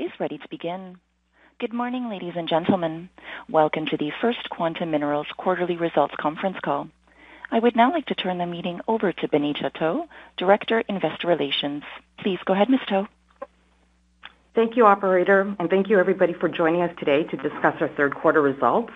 is ready to begin. Good morning, ladies and gentlemen. Welcome to the First Quantum Minerals Quarterly Results Conference Call. I would now like to turn the meeting over to Bonita To, Director, Investor Relations. Please go ahead, Ms. To. Thank you, operator, and thank you everybody for joining us today to discuss our third quarter results.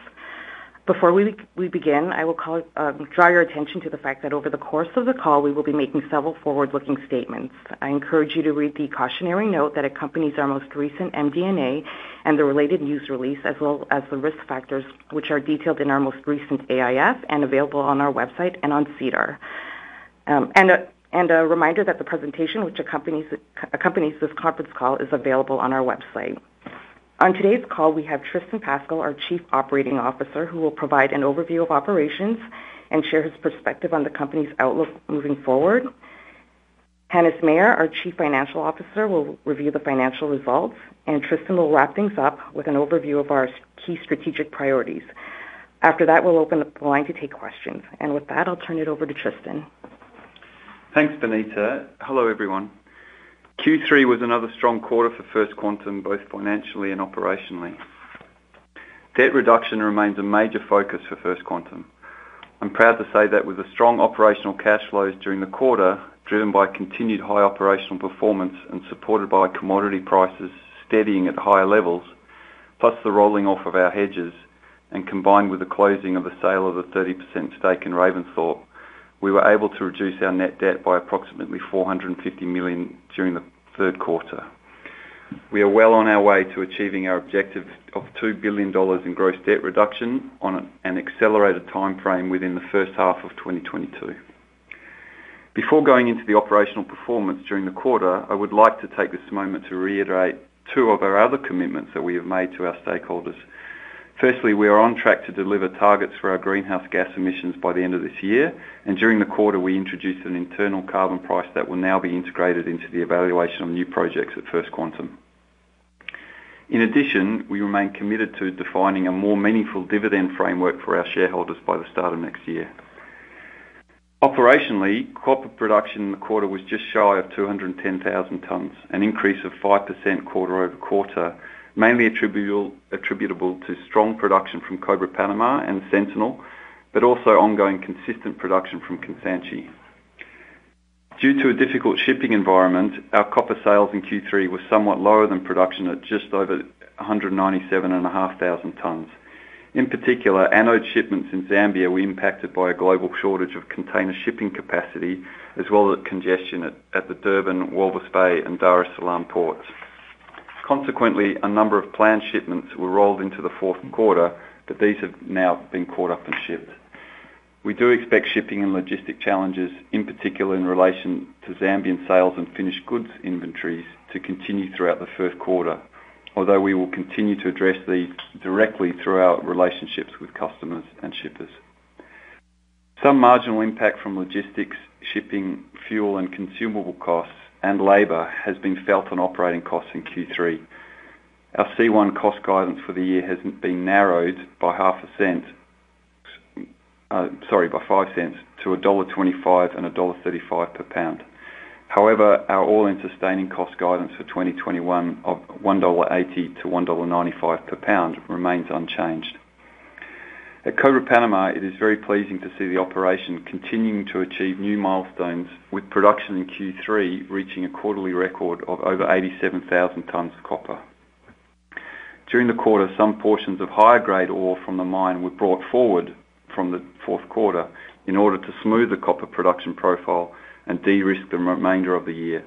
Before we begin, I will draw your attention to the fact that over the course of the call, we will be making several forward-looking statements. I encourage you to read the cautionary note that accompanies our most recent MD&A and the related news release, as well as the risk factors which are detailed in our most recent AIF and available on our website and on SEDAR. And a reminder that the presentation which accompanies this conference call is available on our website. On today's call, we have Tristan Pascall, our Chief Operating Officer, who will provide an overview of operations and share his perspective on the company's outlook moving forward. Hannes Meyer, our Chief Financial Officer, will review the financial results, and Tristan will wrap things up with an overview of our key strategic priorities. After that, we'll open up the line to take questions. With that, I'll turn it over to Tristan. Thanks, Bonita. Hello, everyone. Q3 was another strong quarter for First Quantum, both financially and operationally. Debt reduction remains a major focus for First Quantum. I'm proud to say that with the strong operational cash flows during the quarter, driven by continued high operational performance and supported by commodity prices steadying at higher levels, plus the rolling off of our hedges, and combined with the closing of the sale of a 30% stake in Ravensthorpe, we were able to reduce our net debt by approximately $450 million during the third quarter. We are well on our way to achieving our objective of $2 billion in gross debt reduction on an accelerated timeframe within the first half of 2022. Before going into the operational performance during the quarter, I would like to take this moment to reiterate two of our other commitments that we have made to our stakeholders. Firstly, we are on track to deliver targets for our greenhouse gas emissions by the end of this year, and during the quarter, we introduced an internal carbon price that will now be integrated into the evaluation of new projects at First Quantum. In addition, we remain committed to defining a more meaningful dividend framework for our shareholders by the start of next year. Operationally, copper production in the quarter was just shy of 210,000 tons, an increase of 5% quarter-over-quarter, mainly attributable to strong production from Cobre Panama and Sentinel, but also ongoing consistent production from Kansanshi. Due to a difficult shipping environment, our copper sales in Q3 were somewhat lower than production at just over 197,500 tons. In particular, anode shipments in Zambia were impacted by a global shortage of container shipping capacity, as well as congestion at the Durban, Walvis Bay, and Dar es Salaam ports. Consequently, a number of planned shipments were rolled into the fourth quarter, but these have now been caught up and shipped. We do expect shipping and logistics challenges, in particular in relation to Zambian sales and finished goods inventories, to continue throughout the first quarter. Although we will continue to address these directly through our relationships with customers and shippers. Some marginal impact from logistics, shipping, fuel, and consumable costs and labor has been felt on operating costs in Q3. Our C1 cost guidance for the year has been narrowed by 5 cents to $1.25-$1.35 per pound. However, our all-in sustaining cost guidance for 2021 of $1.80-$1.95 per pound remains unchanged. At Cobre Panama, it is very pleasing to see the operation continuing to achieve new milestones with production in Q3 reaching a quarterly record of over 87,000 tons of copper. During the quarter, some portions of higher grade ore from the mine were brought forward from the fourth quarter in order to smooth the copper production profile and de-risk the remainder of the year.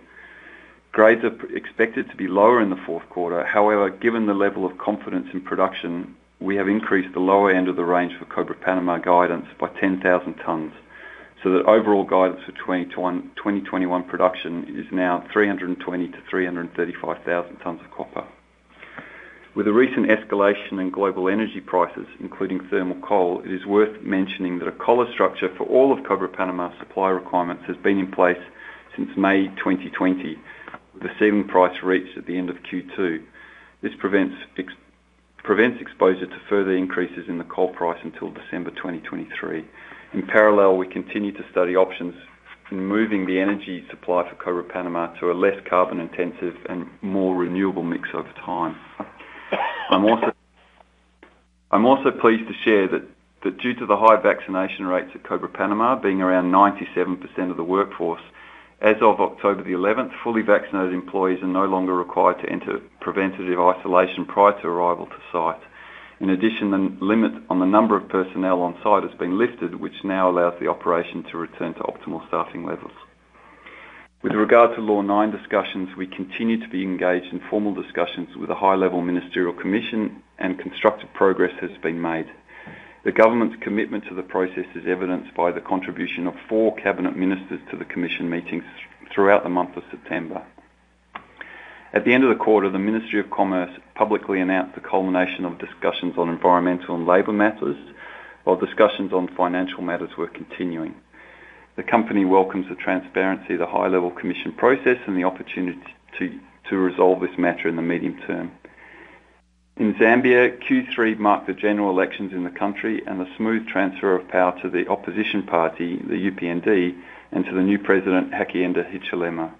Grades are expected to be lower in the fourth quarter. However, given the level of confidence in production, we have increased the lower end of the range for Cobre Panama guidance by 10,000 tons, so that overall guidance for 2021 production is now 320,000-335,000 tons of copper. With the recent escalation in global energy prices, including thermal coal, it is worth mentioning that a collar structure for all of Cobre Panama's supply requirements has been in place since May 2020, with the ceiling price reached at the end of Q2. This prevents exposure to further increases in the coal price until December 2023. In parallel, we continue to study options in moving the energy supply for Cobre Panama to a less carbon-intensive and more renewable mix over time. I'm pleased to share that due to the high vaccination rates at Cobre Panama, being around 97% of the workforce, as of October 11, fully vaccinated employees are no longer required to enter preventative isolation prior to arrival to site. In addition, the limit on the number of personnel on site has been lifted, which now allows the operation to return to optimal staffing levels. With regard to Law 9 discussions, we continue to be engaged in formal discussions with a high-level ministerial commission and constructive progress has been made. The government's commitment to the process is evidenced by the contribution of four cabinet ministers to the commission meetings throughout the month of September. At the end of the quarter, the Ministry of Commerce publicly announced the culmination of discussions on environmental and labor matters while discussions on financial matters were continuing. The company welcomes the transparency of the high-level commission process and the opportunity to resolve this matter in the medium term. In Zambia, Q3 marked the general elections in the country and the smooth transfer of power to the opposition party, the UPND, and to the new president, Hakainde Hichilema.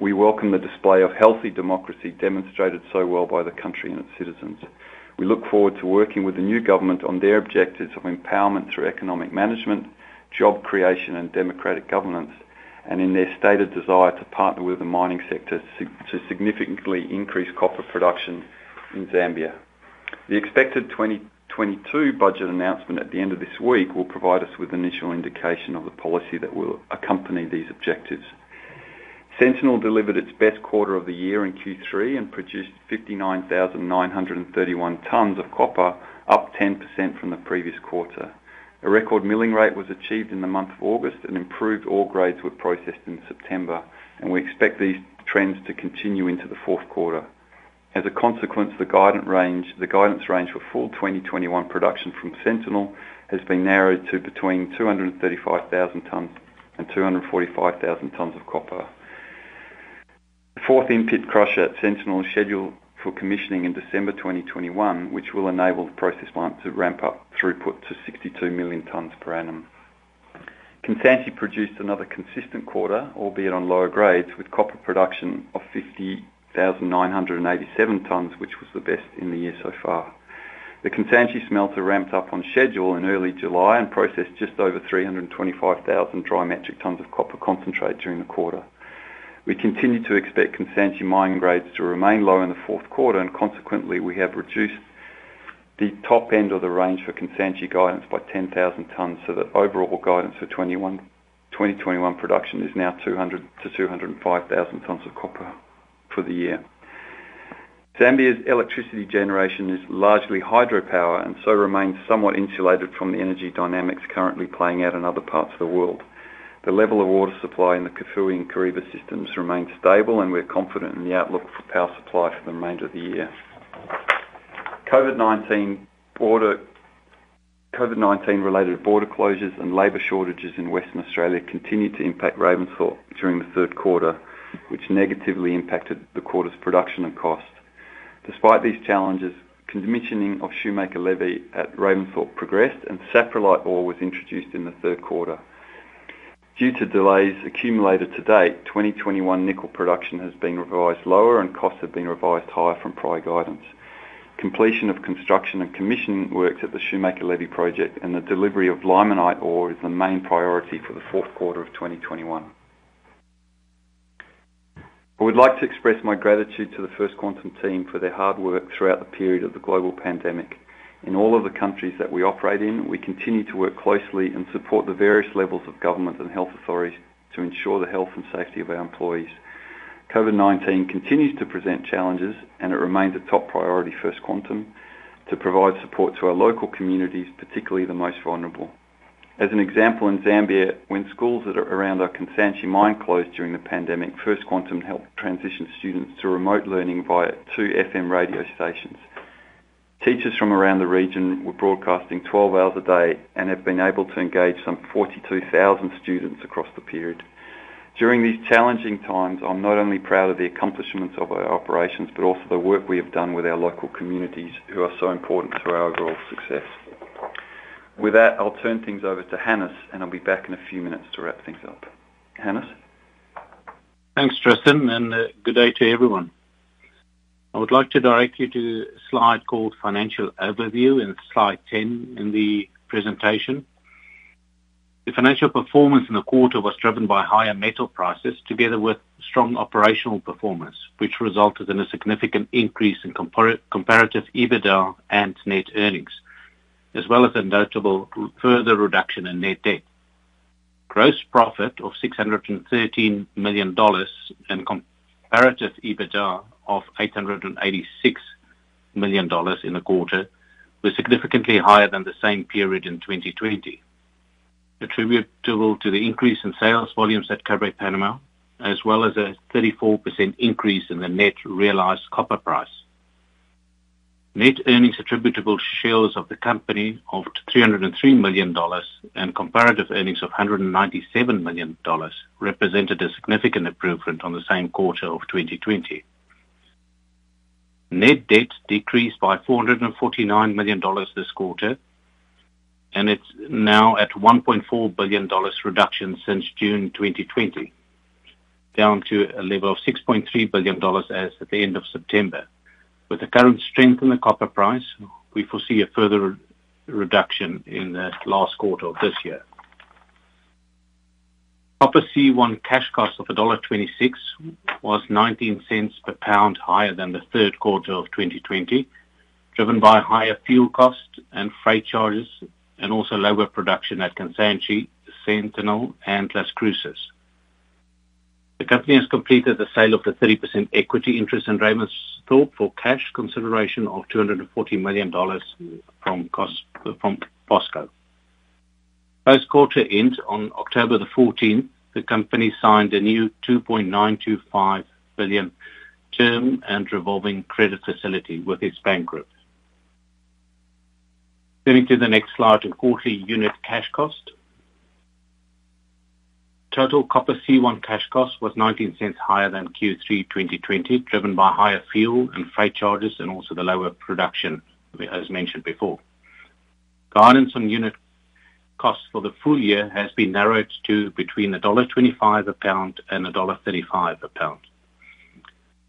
We welcome the display of healthy democracy demonstrated so well by the country and its citizens. We look forward to working with the new government on their objectives of empowerment through economic management, job creation and democratic governance, and in their stated desire to partner with the mining sector significantly increase copper production in Zambia. The expected 2022 budget announcement at the end of this week will provide us with initial indication of the policy that will accompany these objectives. Sentinel delivered its best quarter of the year in Q3 and produced 59,931 tons of copper, up 10% from the previous quarter. A record milling rate was achieved in the month of August, and improved ore grades were processed in September, and we expect these trends to continue into the fourth quarter. As a consequence, the guidance range for full 2021 production from Sentinel has been narrowed to between 235,000 tons and 245,000 tons of copper. The fourth in-pit crusher at Sentinel is scheduled for commissioning in December 2021, which will enable the process plant to ramp up throughput to 62 million tons per annum. Kansanshi produced another consistent quarter, albeit on lower grades, with copper production of 50,987 tons, which was the best in the year so far. The Kansanshi smelter ramped up on schedule in early July and processed just over 325,000 dry metric tons of copper concentrate during the quarter. We continue to expect Kansanshi mining grades to remain low in the fourth quarter, and consequently, we have reduced the top end of the range for Kansanshi guidance by 10,000 tons, so that overall guidance for 2021 production is now 200,000-205,000 tons of copper for the year. Zambia's electricity generation is largely hydropower and so remains somewhat insulated from the energy dynamics currently playing out in other parts of the world. The level of water supply in the Kafue and Kariba systems remains stable, and we're confident in the outlook for power supply for the remainder of the year. COVID-19-related border closures and labor shortages in Western Australia continued to impact Ravensthorpe during the third quarter, which negatively impacted the quarter's production and cost. Despite these challenges, commissioning of Shoemaker Levee at Ravensthorpe progressed, and saprolite ore was introduced in the third quarter. Due to delays accumulated to date, 2021 nickel production has been revised lower and costs have been revised higher from prior guidance. Completion of construction and commissioning works at the Shoemaker Levee project and the delivery of limonite ore is the main priority for the fourth quarter of 2021. I would like to express my gratitude to the First Quantum team for their hard work throughout the period of the global pandemic. In all of the countries that we operate in, we continue to work closely and support the various levels of government and health authorities to ensure the health and safety of our employees. COVID-19 continues to present challenges, and it remains a top priority for First Quantum to provide support to our local communities, particularly the most vulnerable. As an example, in Zambia, when schools that are around our Kansanshi mine closed during the pandemic, First Quantum helped transition students to remote learning via two FM radio stations. Teachers from around the region were broadcasting 12 hours a day and have been able to engage some 42,000 students across the period. During these challenging times, I'm not only proud of the accomplishments of our operations, but also the work we have done with our local communities who are so important to our overall success. With that, I'll turn things over to Hannes, and I'll be back in a few minutes to wrap things up. Hannes? Thanks, Tristan, and good day to everyone. I would like to direct you to the slide called Financial Overview in slide 10 in the presentation. The financial performance in the quarter was driven by higher metal prices, together with strong operational performance, which resulted in a significant increase in comparative EBITDA and net earnings, as well as a notable further reduction in net debt. Gross profit of $613 million and comparative EBITDA of $886 million in the quarter were significantly higher than the same period in 2020. Attributable to the increase in sales volumes at Cobre Panama, as well as a 34% increase in the net realized copper price. Net earnings attributable to the shares of the company of $303 million and comparative earnings of $197 million represented a significant improvement on the same quarter of 2020. Net debt decreased by $449 million this quarter, and it's now at a $1.4 billion reduction since June 2020, down to a level of $6.3 billion as at the end of September. With the current strength in the copper price, we foresee a further reduction in the last quarter of this year. Copper C1 cash cost of $1.26 was $0.19 per pound higher than the third quarter of 2020, driven by higher fuel costs and freight charges and also lower production at Kansanshi, Sentinel and Las Cruces. The company has completed the sale of the 30% equity interest in Ravensthorpe for cash consideration of $240 million from POSCO. Post quarter end on October 14, the company signed a new $2.925 billion term and revolving credit facility with its bank group. Turning to the next slide of quarterly unit cash costs. Total copper C1 cash cost was 19 cents higher than Q3 2020, driven by higher fuel and freight charges and also the lower production, as mentioned before. Guidance on unit costs for the full year has been narrowed to between $1.25/lb and $1.35/lb.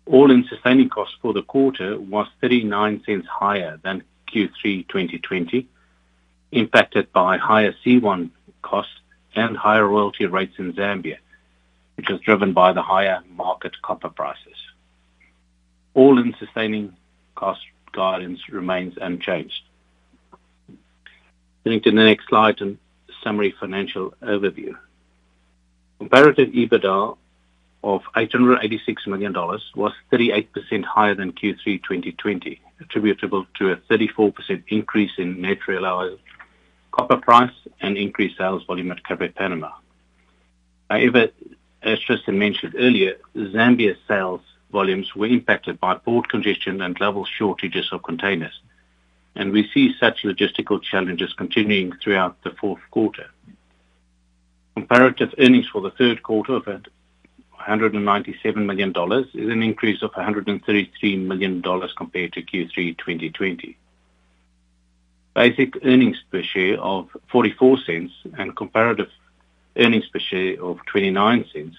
All-in sustaining costs for the quarter was 39 cents higher than Q3 2020, impacted by higher C1 costs and higher royalty rates in Zambia, which was driven by the higher market copper prices. All-in sustaining cost guidance remains unchanged. Turning to the next slide and summary financial overview. Comparative EBITDA of $886 million was 38% higher than Q3 2020, attributable to a 34% increase in natural copper price and increased sales volume at Cobre Panama. However, as Tristan mentioned earlier, Zambia's sales volumes were impacted by port congestion and global shortages of containers, and we see such logistical challenges continuing throughout the fourth quarter. Comparative earnings for the third quarter of $197 million is an increase of $133 million compared to Q3 2020. Basic earnings per share of $0.44 and comparative earnings per share of $0.29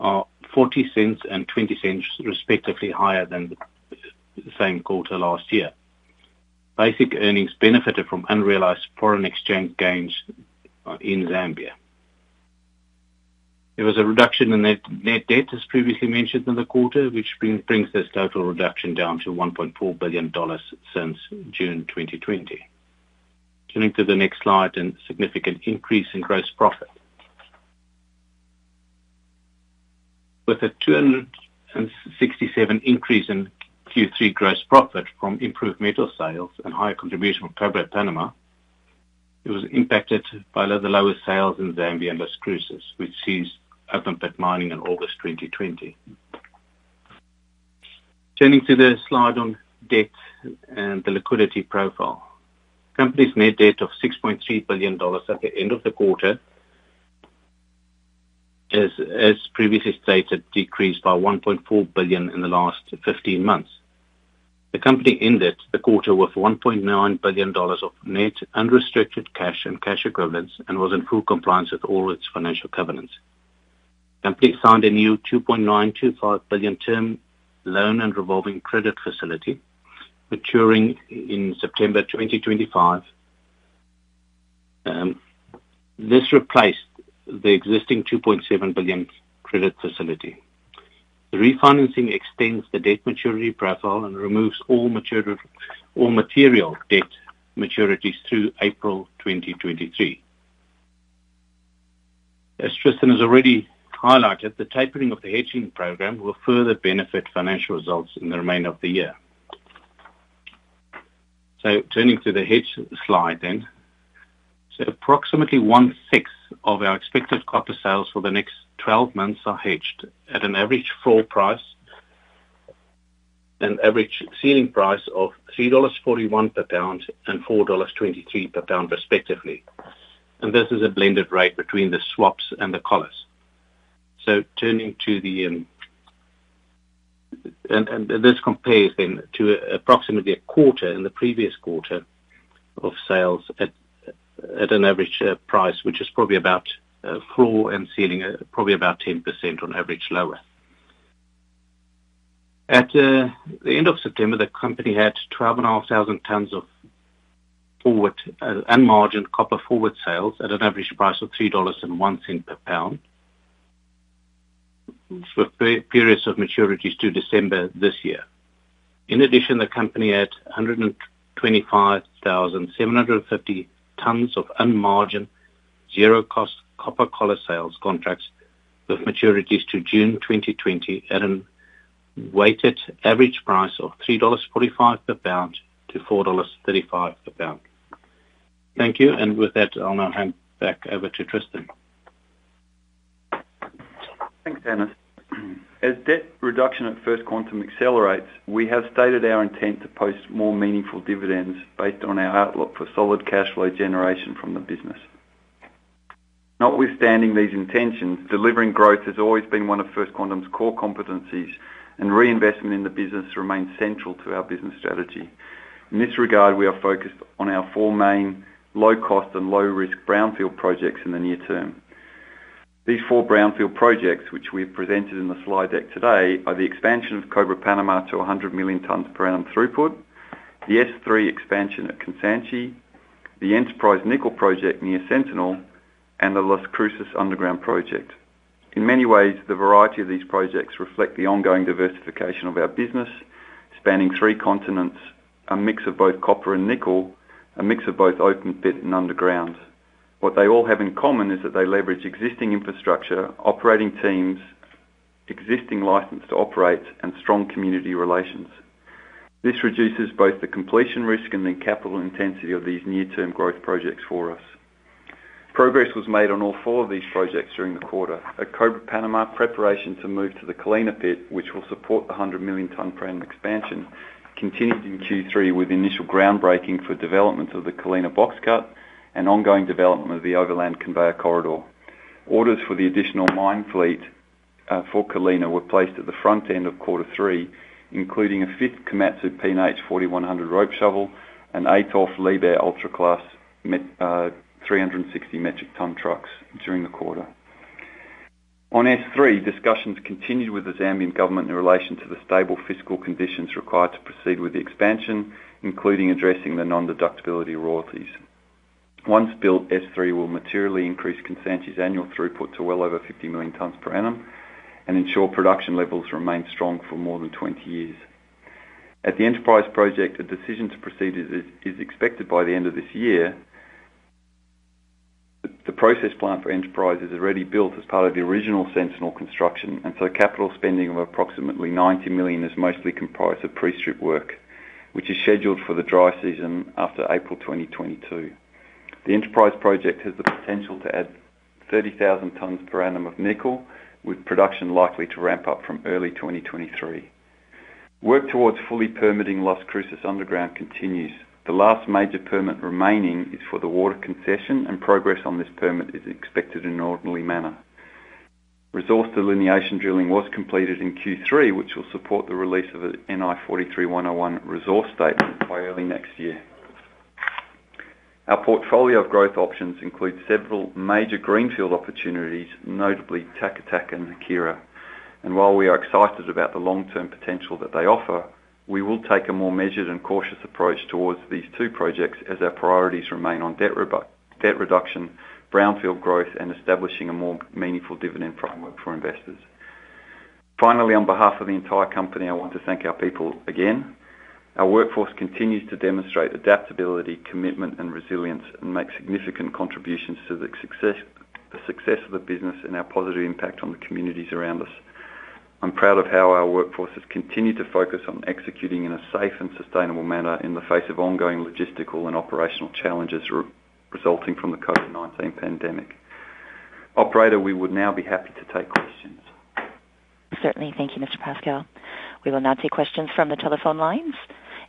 are $0.40 and $0.20 respectively higher than the same quarter last year. Basic earnings benefited from unrealized foreign exchange gains in Zambia. There was a reduction in net debt, as previously mentioned, in the quarter, which brings this total reduction down to $1.4 billion since June 2020. Turning to the next slide, significant increase in gross profit. With a 267% increase in Q3 gross profit from improved metal sales and higher contribution from Cobre Panama, it was impacted by the lower sales in Zambia and Las Cruces, which ceased open pit mining in August 2020. Turning to the slide on debt and the liquidity profile. The company's net debt of $6.3 billion at the end of the quarter, as previously stated, decreased by $1.4 billion in the last 15 months. The company ended the quarter with $1.9 billion of net unrestricted cash and cash equivalents and was in full compliance with all its financial covenants. company signed a new $2.925 billion term loan and revolving credit facility maturing in September 2025. This replaced the existing $2.7 billion credit facility. The refinancing extends the debt maturity profile and removes all material debt maturities through April 2023. As Tristan has already highlighted, the tapering of the hedging program will further benefit financial results in the remainder of the year. Turning to the hedge slide then. Approximately one-sixth of our expected copper sales for the next 12 months are hedged at an average floor price and average ceiling price of $3.41 per pound and $4.23 per pound respectively. And this is a blended rate between the swaps and the collars. Turning to the, This compares then to approximately a quarter in the previous quarter of sales at an average price, which is probably about floor and ceiling, probably about 10% on average lower. At the end of September, the company had 12,500 tons of forward unmargined copper forward sales at an average price of $3.01 per pound for periods of maturities through December this year. In addition, the company had 125,750 tons of unmargined zero-cost copper collar sales contracts with maturities through June 2020 at a weighted average price of $3.45 per pound-$4.35 per pound. Thank you. With that, I'll now hand back over to Tristan. Thanks, Hannes. As debt reduction at First Quantum accelerates, we have stated our intent to post more meaningful dividends based on our outlook for solid cash flow generation from the business. Notwithstanding these intentions, delivering growth has always been one of First Quantum's core competencies, and reinvestment in the business remains central to our business strategy. In this regard, we are focused on our four main low-cost and low-risk brownfield projects in the near term. These four brownfield projects, which we have presented in the slide deck today, are the expansion of Cobre Panama to 100 million tons per annum throughput, the S3 expansion at Kansanshi, the Enterprise Nickel Project near Sentinel, and the Las Cruces Underground Project. In many ways, the variety of these projects reflect the ongoing diversification of our business, spanning three continents, a mix of both copper and nickel, a mix of both open pit and underground. What they all have in common is that they leverage existing infrastructure, operating teams, existing license to operate, and strong community relations. This reduces both the completion risk and the capital intensity of these near-term growth projects for us. Progress was made on all four of these projects during the quarter. At Cobre Panama, preparation to move to the Colina pit, which will support the 100 million ton per annum expansion continued in Q3 with initial groundbreaking for development of the Colina box cut and ongoing development of the overland conveyor corridor. Orders for the additional mine fleet for Colina were placed at the front end of quarter three, including a fifth Komatsu P&H 4100 rope shovel and eight off Liebherr ultra-class 360 metric ton trucks during the quarter. On S3, discussions continued with the Zambian government in relation to the stable fiscal conditions required to proceed with the expansion, including addressing the nondeductibility royalties. Once built, S3 will materially increase Kansanshi's annual throughput to well over 50 million tons per annum and ensure production levels remain strong for more than 20 years. At the Enterprise project, a decision to proceed is expected by the end of this year. The process plant for Enterprise is already built as part of the original Sentinel construction, and so capital spending of approximately $90 million is mostly comprised of pre-strip work, which is scheduled for the dry season after April 2022. The Enterprise project has the potential to add 30,000 tons per annum of nickel, with production likely to ramp up from early 2023. Work towards fully permitting Las Cruces underground continues. The last major permit remaining is for the water concession and progress on this permit is expected in an orderly manner. Resource delineation drilling was completed in Q3, which will support the release of an NI 43-101 resource statement by early next year. Our portfolio of growth options includes several major greenfield opportunities, notably Taca Taca and Haquira. While we are excited about the long-term potential that they offer, we will take a more measured and cautious approach towards these two projects as our priorities remain on debt reduction, brownfield growth, and establishing a more meaningful dividend framework for investors. Finally, on behalf of the entire company, I want to thank our people again. Our workforce continues to demonstrate adaptability, commitment and resilience and make significant contributions to the success of the business and our positive impact on the communities around us. I'm proud of how our workforce has continued to focus on executing in a safe and sustainable manner in the face of ongoing logistical and operational challenges resulting from the COVID-19 pandemic. Operator, we would now be happy to take questions. Certainly. Thank you, Mr. Pascall. We will now take questions from the telephone lines.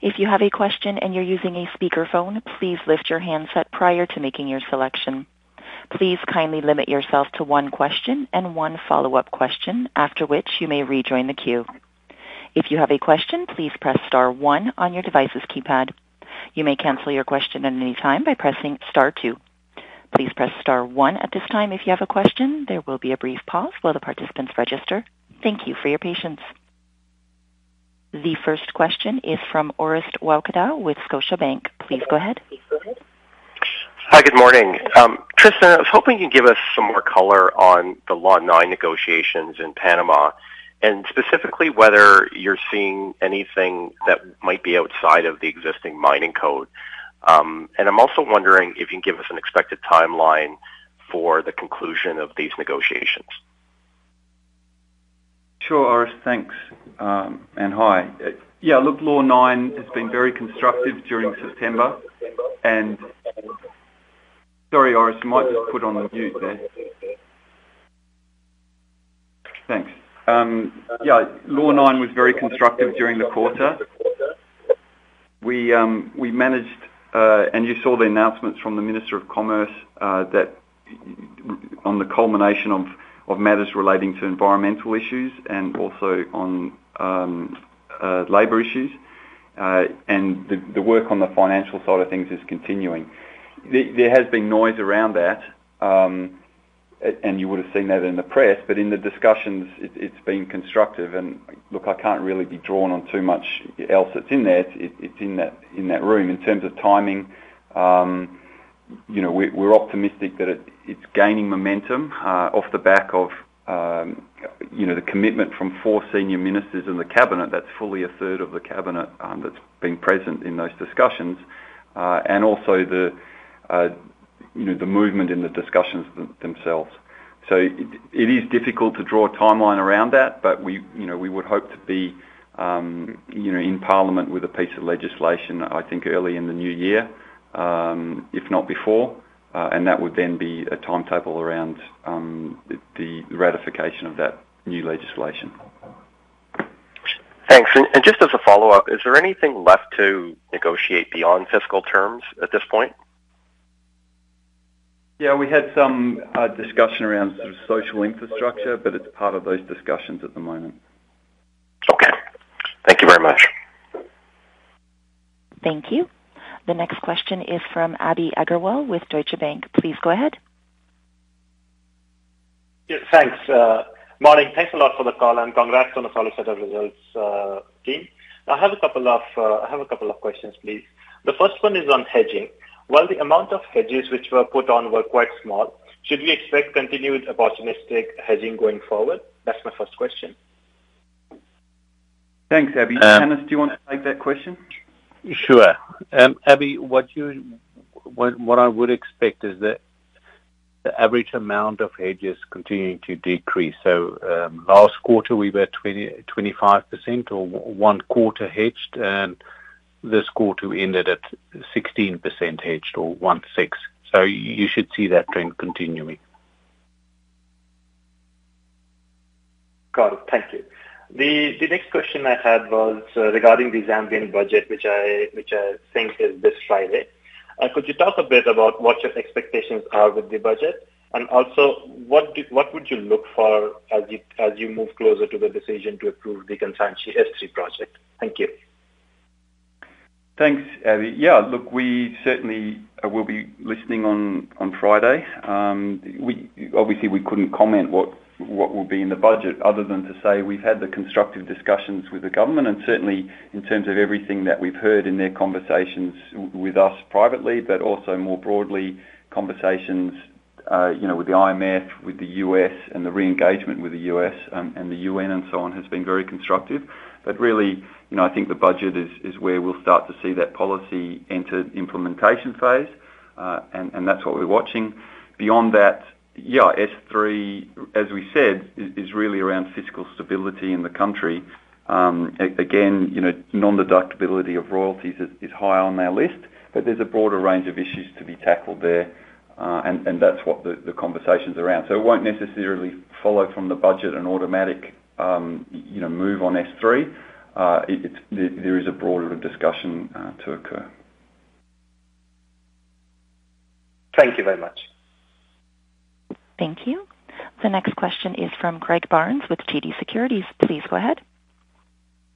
If you have a question and you're using a speakerphone, please lift your handset prior to making your selection. Please kindly limit yourself to one question and one follow-up question, after which you may rejoin the queue. If you have a question, please press star one on your device's keypad. You may cancel your question at any time by pressing star two. Please press star one at this time if you have a question. There will be a brief pause while the participants register. Thank you for your patience. The first question is from Orest Wowkodaw with Scotiabank. Please go ahead. Hi. Good morning. Tristan, I was hoping you could give us some more color on the Law 9 negotiations in Panama, and specifically whether you're seeing anything that might be outside of the existing mining code. I'm also wondering if you can give us an expected timeline for the conclusion of these negotiations. Sure, Orest. Thanks and hi. Yeah, look, Law 9 has been very constructive during September and... Sorry, Orest, you might just put on mute there. Thanks. Yeah, Law 9 was very constructive during the quarter. We managed and you saw the announcements from the Minister of Commerce that on the culmination of matters relating to environmental issues and also on labor issues. The work on the financial side of things is continuing. There has been noise around that and you would have seen that in the press, but in the discussions, it has been constructive. Look, I can't really be drawn on too much else that's in there. It's in that room. In terms of timing, you know, we're optimistic that it's gaining momentum off the back of you know, the commitment from four senior ministers in the cabinet. That's fully a third of the cabinet, that's been present in those discussions, and also the you know, the movement in the discussions themselves. It is difficult to draw a timeline around that. You know, we would hope to be you know, in Parliament with a piece of legislation, I think, early in the new year, if not before. That would then be a timetable around the ratification of that new legislation. Thanks. Just as a follow-up, is there anything left to negotiate beyond fiscal terms at this point? Yeah, we had some discussion around social infrastructure, but it's part of those discussions at the moment. Okay. Thank you very much. Thank you. The next question is from Abhinandan Agarwal with Deutsche Bank. Please go ahead. Yeah, thanks, morning. Thanks a lot for the call, and congrats on the solid set of results, team. I have a couple of questions, please. The first one is on hedging. While the amount of hedges which were put on were quite small, should we expect continued opportunistic hedging going forward? That's my first question. Thanks, Abhi. Hannes, do you want to take that question? Sure. Abhi, what I would expect is that the average amount of hedges continuing to decrease. Last quarter we were 25% or one quarter hedged, and this quarter we ended at 16% hedged or one six. You should see that trend continuing. Got it. Thank you. The next question I had was regarding the Zambian budget, which I think is this Friday. Could you talk a bit about what your expectations are with the budget? Also what would you look for as you move closer to the decision to approve the Kansanshi S3 project? Thank you. Thanks, Abhi. Yeah, look, we certainly will be listening on Friday. Obviously we couldn't comment what will be in the budget other than to say we've had the constructive discussions with the government and certainly in terms of everything that we've heard in their conversations with us privately, but also more broadly, conversations, you know, with the IMF, with the U.S. and the re-engagement with the U.S. and the UN and so on, has been very constructive. Really, you know, I think the budget is where we'll start to see that policy enter implementation phase, and that's what we're watching. Beyond that, yeah, S3, as we said, is really around fiscal stability in the country. Again, you know, non-deductibility of royalties is high on their list, but there's a broader range of issues to be tackled there, and that's what the conversation's around. It won't necessarily follow from the budget an automatic, you know, move on S3. There is a broader discussion to occur. Thank you very much. Thank you. The next question is from Greg Barnes with TD Securities. Please go ahead.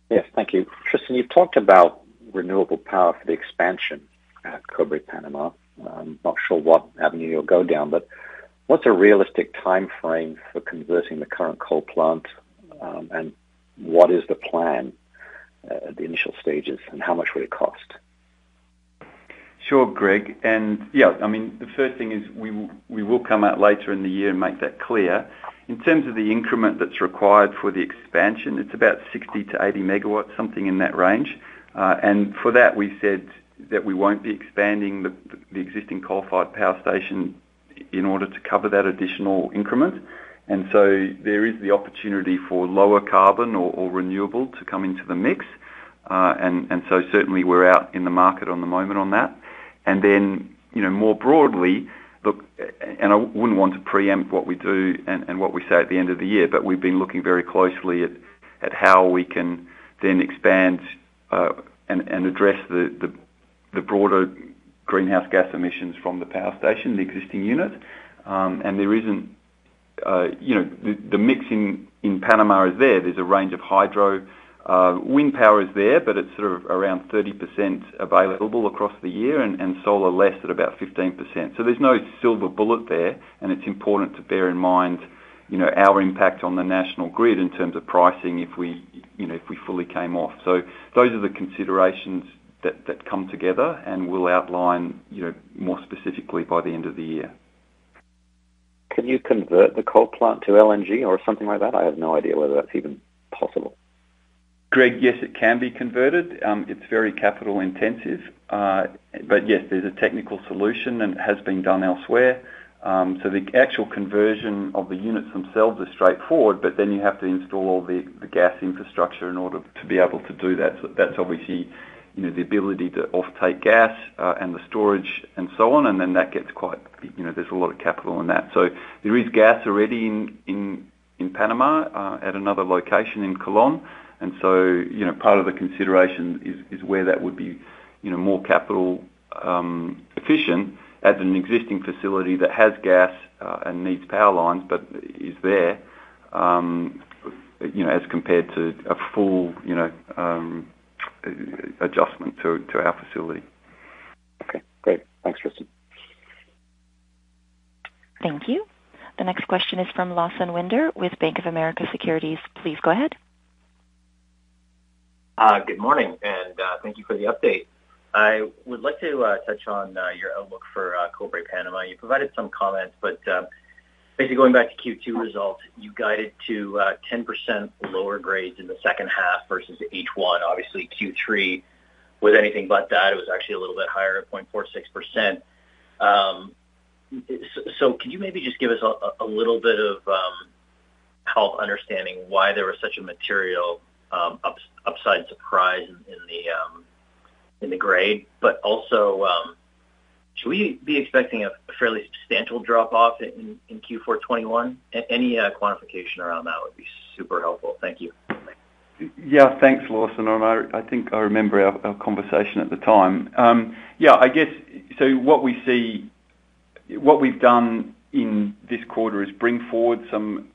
Yes, thank you. Tristan, you've talked about renewable power for the expansion at Cobre Panama. I'm not sure what avenue you'll go down, but what's a realistic timeframe for converting the current coal plant, and what is the plan at the initial stages, and how much would it cost? Sure, Greg, yeah, I mean, the first thing is we will come out later in the year and make that clear. In terms of the increment that's required for the expansion, it's about 60 MW-80 MW, something in that range. For that, we said that we won't be expanding the existing coal-fired power station in order to cover that additional increment. There is the opportunity for lower carbon or renewable to come into the mix. Certainly we're out in the market at the moment on that. You know, more broadly, look, I wouldn't want to preempt what we do and what we say at the end of the year, but we've been looking very closely at how we can then expand and address the broader greenhouse gas emissions from the power station, the existing unit. There isn't, you know, the mix in Panama is there. There's a range of hydro. Wind power is there, but it's sort of around 30% available across the year, and solar less at about 15%. So there's no silver bullet there, and it's important to bear in mind, you know, our impact on the national grid in terms of pricing if we, you know, if we fully came off. Those are the considerations that come together and we'll outline, you know, more specifically by the end of the year. Can you convert the coal plant to LNG or something like that? I have no idea whether that's even possible. Greg, yes, it can be converted. It's very capital intensive. Yes, there's a technical solution and it has been done elsewhere. The actual conversion of the units themselves is straightforward, but then you have to install all the gas infrastructure in order to be able to do that. That's obviously, you know, the ability to offtake gas, and the storage and so on. That gets quite, you know, there's a lot of capital in that. There is gas already in Panama, at another location in Colón. you know, part of the consideration is where that would be, you know, more capital efficient at an existing facility that has gas and needs power lines but is there, you know, as compared to a full adjustment to our facility. Okay, great. Thanks, Tristan. Thank you. The next question is from Lawson Winder with Bank of America Securities. Please go ahead. Good morning, and thank you for the update. I would like to touch on your outlook for Cobre Panama. You provided some comments, but basically going back to Q2 results, you guided to 10% lower grades in the second half versus H1. Obviously Q3 was anything but that. It was actually a little bit higher at 0.46%. So can you maybe just give us a little bit of help understanding why there was such a material upside surprise in the grade? Also, should we be expecting a fairly substantial drop-off in Q4 2021? Any quantification around that would be super helpful. Thank you. Yeah. Thanks, Lawson. I think I remember our conversation at the time. Yeah, I guess. What we see, what we've done in this quarter is bring forward some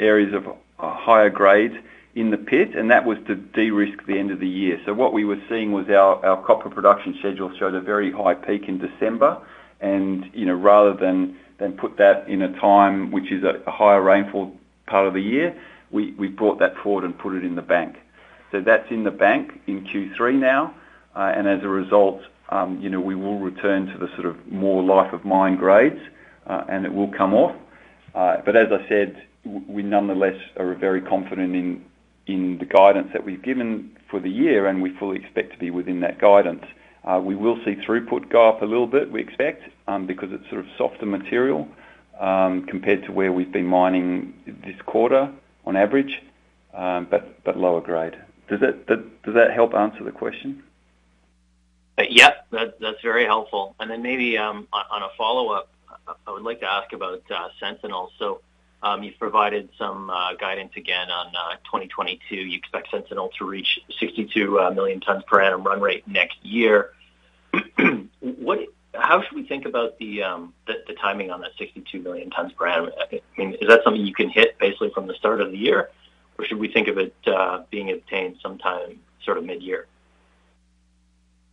areas of higher grades in the pit, and that was to de-risk the end of the year. What we were seeing was our copper production schedule showed a very high peak in December. You know, rather than put that in a time which is a higher rainfall part of the year, we brought that forward and put it in the bank. That's in the bank in Q3 now. As a result, you know, we will return to the sort of more life of mine grades, and it will come off. As I said, we nonetheless are very confident in the guidance that we've given for the year, and we fully expect to be within that guidance. We will see throughput go up a little bit, we expect, because it's sort of softer material, compared to where we've been mining this quarter on average, but lower grade. Does that help answer the question? Yep, that's very helpful. Maybe on a follow-up, I would like to ask about Sentinel. You've provided some guidance again on 2022. You expect Sentinel to reach 62 million tons per annum run rate next year. How should we think about the timing on that 62 million tons per annum? I mean, is that something you can hit basically from the start of the year? Should we think of it being obtained sometime sort of midyear?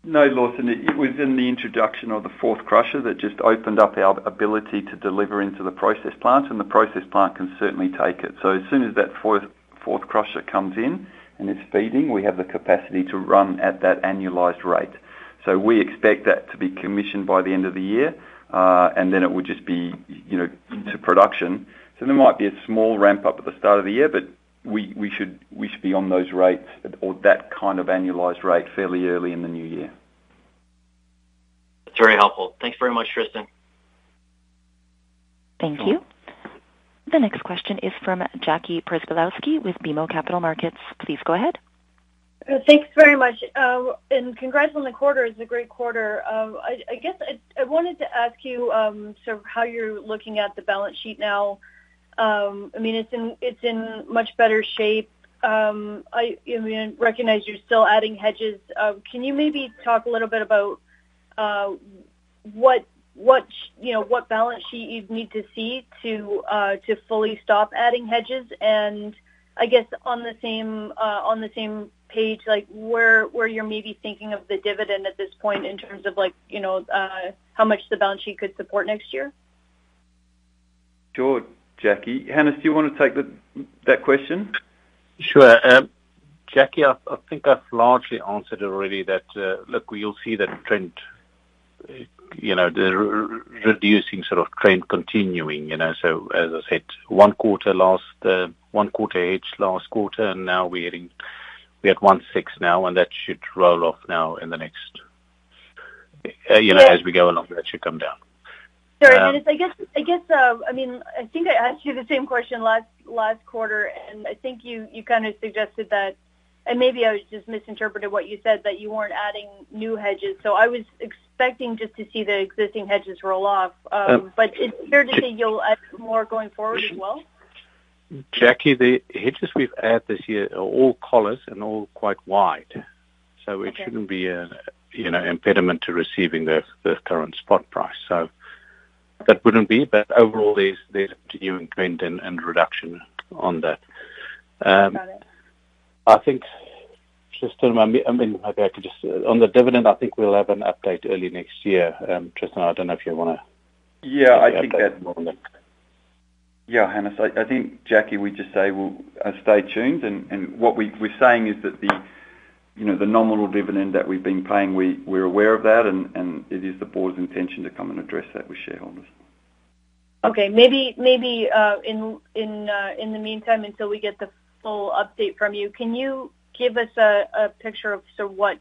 No, Lawson, it was in the introduction of the fourth crusher that just opened up our ability to deliver into the process plant, and the process plant can certainly take it. As soon as that fourth crusher comes in and it's feeding, we have the capacity to run at that annualized rate. We expect that to be commissioned by the end of the year, and then it would just be, you know, to production. There might be a small ramp-up at the start of the year, but we should be on those rates or that kind of annualized rate fairly early in the new year. That's very helpful. Thanks very much, Tristan. Thank you. The next question is from Jackie Przybylowski with BMO Capital Markets. Please go ahead. Thanks very much. Congrats on the quarter. It's a great quarter. I guess I wanted to ask you sort of how you're looking at the balance sheet now. I mean, it's in much better shape. I recognize you're still adding hedges. Can you maybe talk a little bit about what balance sheet you'd need to see to fully stop adding hedges? I guess on the same page, like, where you're maybe thinking of the dividend at this point in terms of like, you know, how much the balance sheet could support next year? Sure, Jackie. Hannes, do you wanna take that question? Sure. Jackie, I think I've largely answered already that, look, we will see that trend, you know, the reducing sort of trend continuing, you know. As I said, one quarter hedge last quarter, and now we're at 16 now, and that should roll off now in the next. You know, as we go along, that should come down. Sorry, Hannes. I guess I mean, I think I asked you the same question last quarter, and I think you kinda suggested that maybe I just misinterpreted what you said, that you weren't adding new hedges. I was expecting just to see the existing hedges roll off. It's fair to say you'll add some more going forward as well? Jackie, the hedges we've added this year are all collars and all quite wide. Okay. It shouldn't be a, you know, impediment to receiving the current spot price. That wouldn't be, but overall there's continuing trend and reduction on that. Got it. I think, Tristan. On the dividend, I think we'll have an update early next year. Tristan, I don't know if you wanna- Yeah, I think that. Update more on that. Yeah, Hannes. I think, Jackie, we just say, well, stay tuned. What we're saying is that you know the nominal dividend that we've been paying, we're aware of that and it is the Board's intention to come and address that with shareholders. Okay. Maybe in the meantime, until we get the full update from you, can you give us a picture of sort of what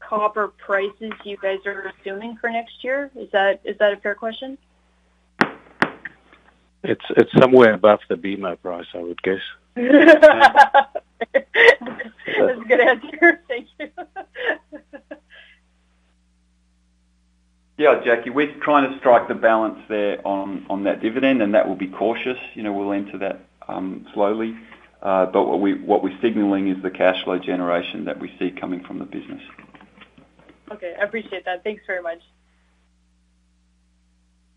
copper prices you guys are assuming for next year? Is that a fair question? It's somewhere above the BMO price, I would guess. That's a good answer. Thank you. Yeah, Jackie, we're trying to strike the balance there on that dividend, and that will be cautious. You know, we'll enter that slowly. What we're signaling is the cash flow generation that we see coming from the business. Okay. I appreciate that. Thanks very much.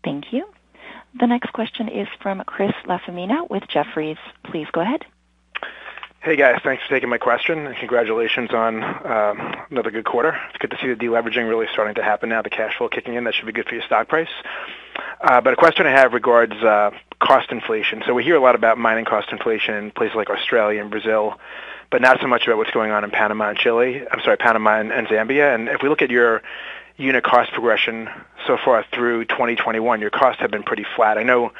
Thank you. The next question is from Chris LaFemina with Jefferies. Please go ahead. Hey, guys. Thanks for taking my question, and congratulations on another good quarter. It's good to see the deleveraging really starting to happen now, the cash flow kicking in. That should be good for your stock price. A question I have regards cost inflation. We hear a lot about mining cost inflation in places like Australia and Brazil, but not so much about what's going on in Panama and Zambia. If we look at your unit cost progression so far through 2021, your costs have been pretty flat. I know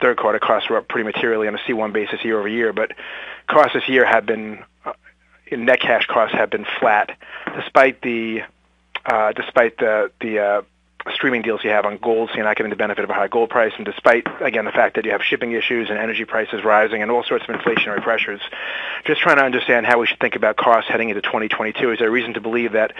third quarter costs were up pretty materially on a C1 basis year over year, but costs this year have been net cash costs have been flat despite the streaming deals you have on gold, so you're not getting the benefit of a high gold price. Despite, again, the fact that you have shipping issues and energy prices rising and all sorts of inflationary pressures. Just trying to understand how we should think about costs heading into 2022. Is there a reason to believe that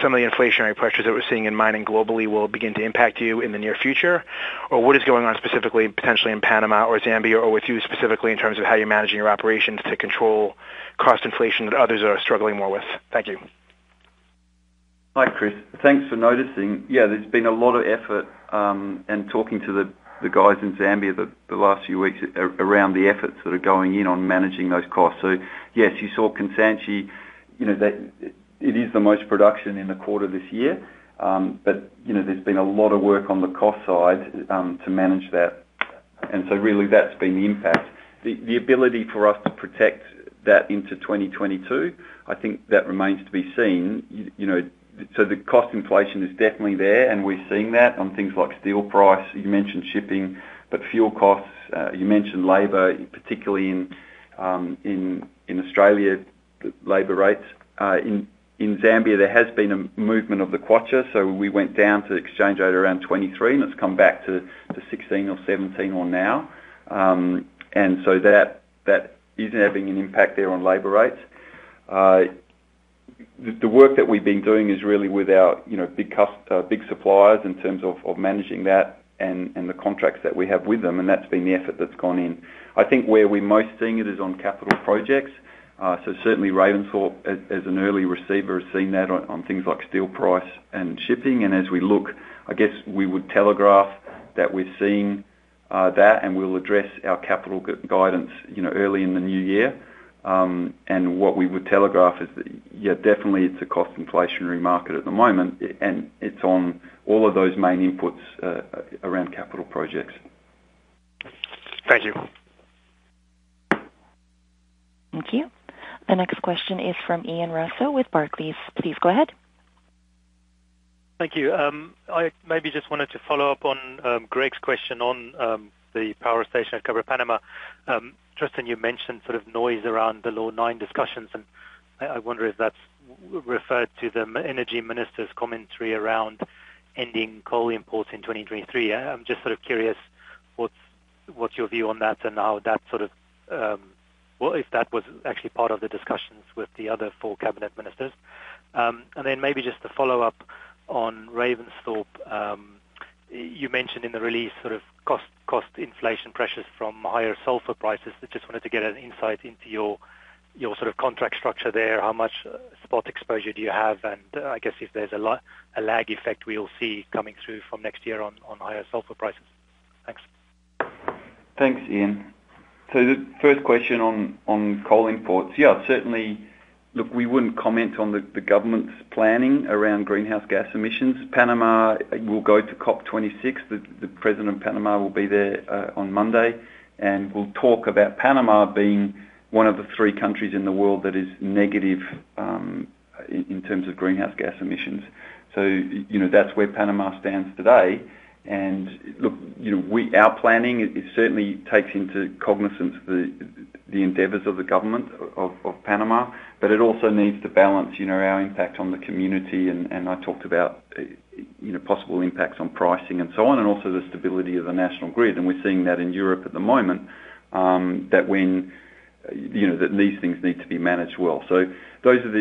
some of the inflationary pressures that we're seeing in mining globally will begin to impact you in the near future? Or what is going on specifically, potentially in Panama or Zambia, or with you specifically in terms of how you're managing your operations to control cost inflation that others are struggling more with? Thank you. Hi, Chris. Thanks for noticing. Yeah, there's been a lot of effort in talking to the guys in Zambia the last few weeks around the efforts that are going in on managing those costs. Yes, you saw Kansanshi. You know, that it is the most production in the quarter this year. You know, there's been a lot of work on the cost side to manage that. Really that's been the impact. The ability for us to protect that into 2022, I think that remains to be seen. You know, the cost inflation is definitely there, and we're seeing that on things like steel price. You mentioned shipping, but fuel costs, you mentioned labor, particularly in Australia, the labor rates. In Zambia, there has been a movement of the kwacha, so we went down to exchange rate around 23, and it's come back to 16 or 17 now. That is having an impact there on labor rates. The work that we've been doing is really with our, you know, big suppliers in terms of managing that and the contracts that we have with them, and that's been the effort that's gone in. I think where we're most seeing it is on capital projects. Certainly Ravensthorpe as an early receiver has seen that on things like steel price and shipping. We look, I guess we would telegraph that we've seen that and we'll address our capital guidance, you know, early in the new year. What we would telegraph is yeah, definitely it's a cost inflationary market at the moment, and it's on all of those main inputs around capital projects. Thank you. Thank you. The next question is from Ian Rossouw with Barclays. Please go ahead. Thank you. I maybe just wanted to follow up on Greg's question on the power station at Cobre Panama. Tristan, you mentioned sort of noise around the Law 9 discussions, and I wonder if that's referred to the energy minister's commentary around ending coal imports in 2023. I'm just sort of curious, what's your view on that and how that sort of. Well, if that was actually part of the discussions with the other four cabinet ministers. And then maybe just to follow up on Ravensthorpe. You mentioned in the release sort of cost inflation pressures from higher sulfur prices. I just wanted to get an insight into your sort of contract structure there. How much spot exposure do you have? I guess if there's a lag effect we'll see coming through from next year on higher sulfur prices. Thanks. Thanks, Ian. The first question on coal imports. Yeah, certainly, look, we wouldn't comment on the government's planning around greenhouse gas emissions. Panama will go to COP26. The president of Panama will be there on Monday, and we'll talk about Panama being one of the three countries in the world that is negative in terms of greenhouse gas emissions. You know, that's where Panama stands today. Look, you know, our planning it certainly takes into cognizance the endeavors of the government of Panama, but it also needs to balance, you know, our impact on the community. I talked about, you know, possible impacts on pricing and so on, and also the stability of the national grid. We're seeing that in Europe at the moment, that when, you know, that these things need to be managed well. Those are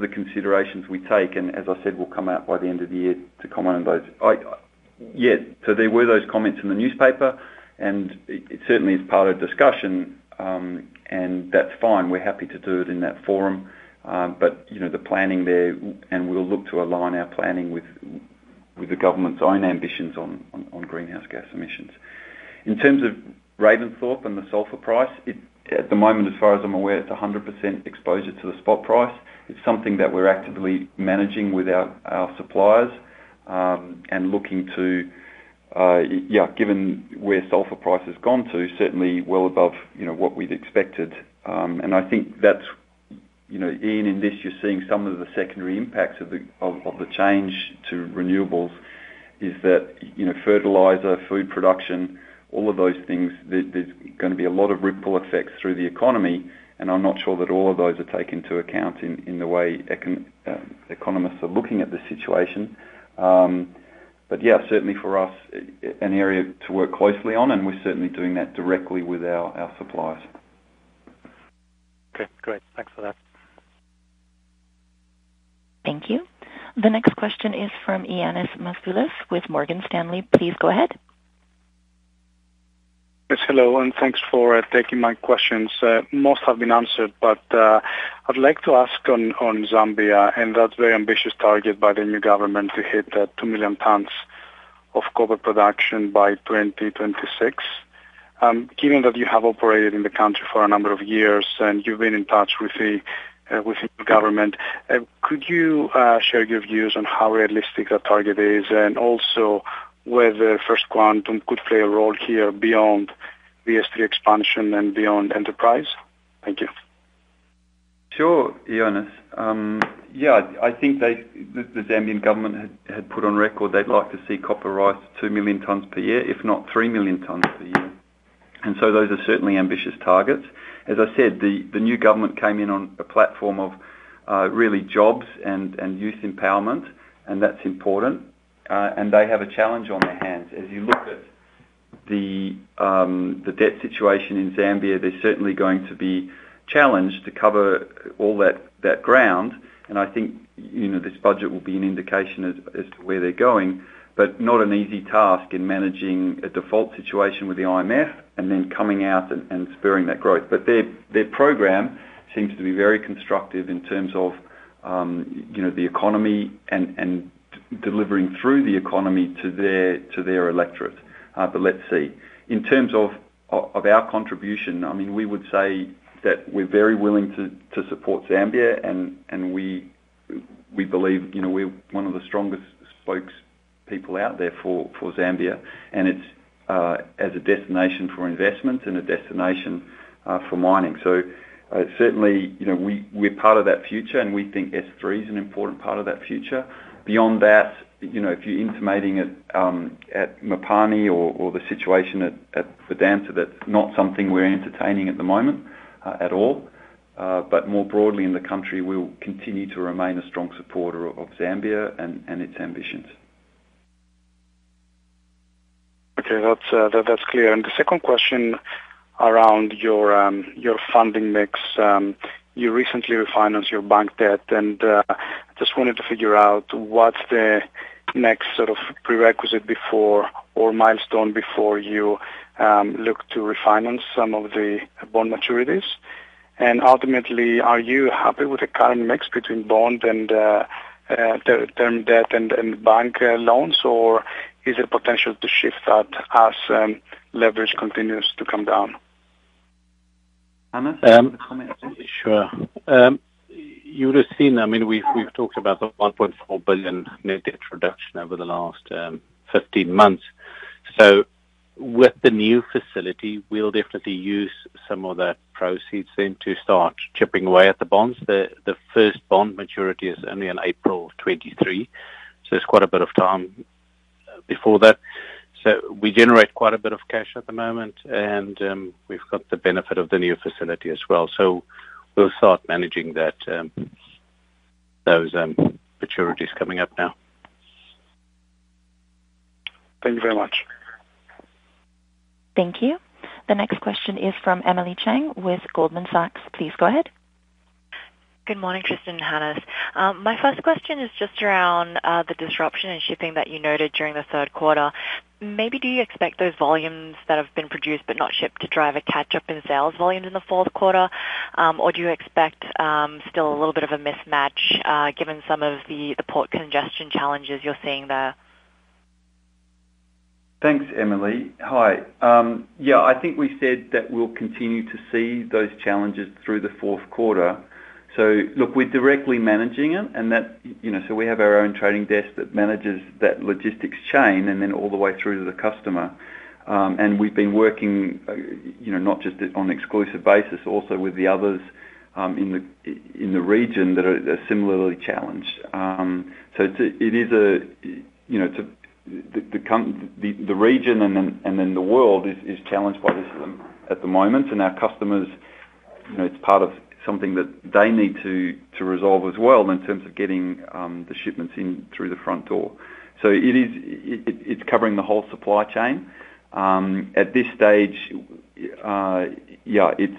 the considerations we take and as I said, we'll come out by the end of the year to comment on those. Yeah, there were those comments in the newspaper, and it certainly is part of discussion, and that's fine. We're happy to do it in that forum. You know, the planning there, and we'll look to align our planning with the government's own ambitions on greenhouse gas emissions. In terms of Ravensthorpe and the sulfur price, it, at the moment, as far as I'm aware, it's 100% exposure to the spot price. It's something that we're actively managing with our suppliers, and looking to, yeah, given where sulfur price has gone to, certainly well above, you know, what we'd expected. I think that's, you know, Ian, in this, you're seeing some of the secondary impacts of the change to renewables is that, you know, fertilizer, food production, all of those things. There's gonna be a lot of ripple effects through the economy, and I'm not sure that all of those are taken into account in the way economists are looking at the situation. Yeah, certainly for us, an area to work closely on, and we're certainly doing that directly with our suppliers. Okay, great. Thanks for that. Thank you. The next question is from Ioannis Masvoulas with Morgan Stanley. Please go ahead. Yes, hello, and thanks for taking my questions. Most have been answered, but I'd like to ask on Zambia and that very ambitious target by the new government to hit that 2 million tons of copper production by 2026. Given that you have operated in the country for a number of years and you've been in touch with the government, could you share your views on how realistic that target is and also whether First Quantum could play a role here beyond the S3 expansion and beyond enterprise? Thank you. Sure, Ioannis. I think they, the Zambian government had put on record they'd like to see copper rise to 2 million tons per year, if not 3 million tons per year. Those are certainly ambitious targets. As I said, the new government came in on a platform of really jobs and youth empowerment, and that's important. They have a challenge on their hands. As you look at the debt situation in Zambia, they're certainly going to be challenged to cover all that ground. I think, you know, this budget will be an indication as to where they're going, but not an easy task in managing a default situation with the IMF and then coming out and spurring that growth. Their program seems to be very constructive in terms of, you know, the economy and delivering through the economy to their electorate. Let's see. In terms of our contribution, I mean, we would say that we're very willing to support Zambia and we believe, you know, we're one of the strongest spokespeople out there for Zambia, and it's as a destination for investment and a destination for mining. Certainly, you know, we're part of that future, and we think S3 is an important part of that future. Beyond that, you know, if you're intimating at Mopani or the situation at Vedanta, that's not something we're entertaining at the moment at all. More broadly in the country, we'll continue to remain a strong supporter of Zambia and its ambitions. Okay, that's clear. The second question around your funding mix. You recently refinanced your bank debt, and just wanted to figure out what's the next sort of prerequisite or milestone before you look to refinance some of the bond maturities. Ultimately, are you happy with the current mix between bond and term debt and bank loans? Or is there potential to shift that as leverage continues to come down? Hannes, do you want to comment? Sure. You would have seen, I mean, we've talked about the $1.4 billion net debt reduction over the last 15 months. With the new facility, we'll definitely use some of that proceeds soon to start chipping away at the bonds. The first bond maturity is only in April 2023, so there's quite a bit of time before that. We generate quite a bit of cash at the moment, and we've got the benefit of the new facility as well. We'll start managing those maturities coming up now. Thank you very much. Thank you. The next question is from Emily Chang with Goldman Sachs. Please go ahead. Good morning, Tristan and Hannes. My first question is just around the disruption in shipping that you noted during the third quarter. Maybe do you expect those volumes that have been produced but not shipped to drive a catch-up in sales volumes in the fourth quarter? Or do you expect still a little bit of a mismatch given some of the port congestion challenges you're seeing there? Thanks, Emily. Hi. Yeah, I think we said that we'll continue to see those challenges through the fourth quarter. Look, we're directly managing it and that, you know, we have our own trading desk that manages that logistics chain and then all the way through to the customer. We've been working, you know, not just on exclusive basis, also with the others in the region that are similarly challenged. It is a, you know, the country, the region and then the world is challenged by this at the moment. Our customers, you know, it's part of something that they need to resolve as well in terms of getting the shipments in through the front door. It is, it's covering the whole supply chain. At this stage, yeah, it's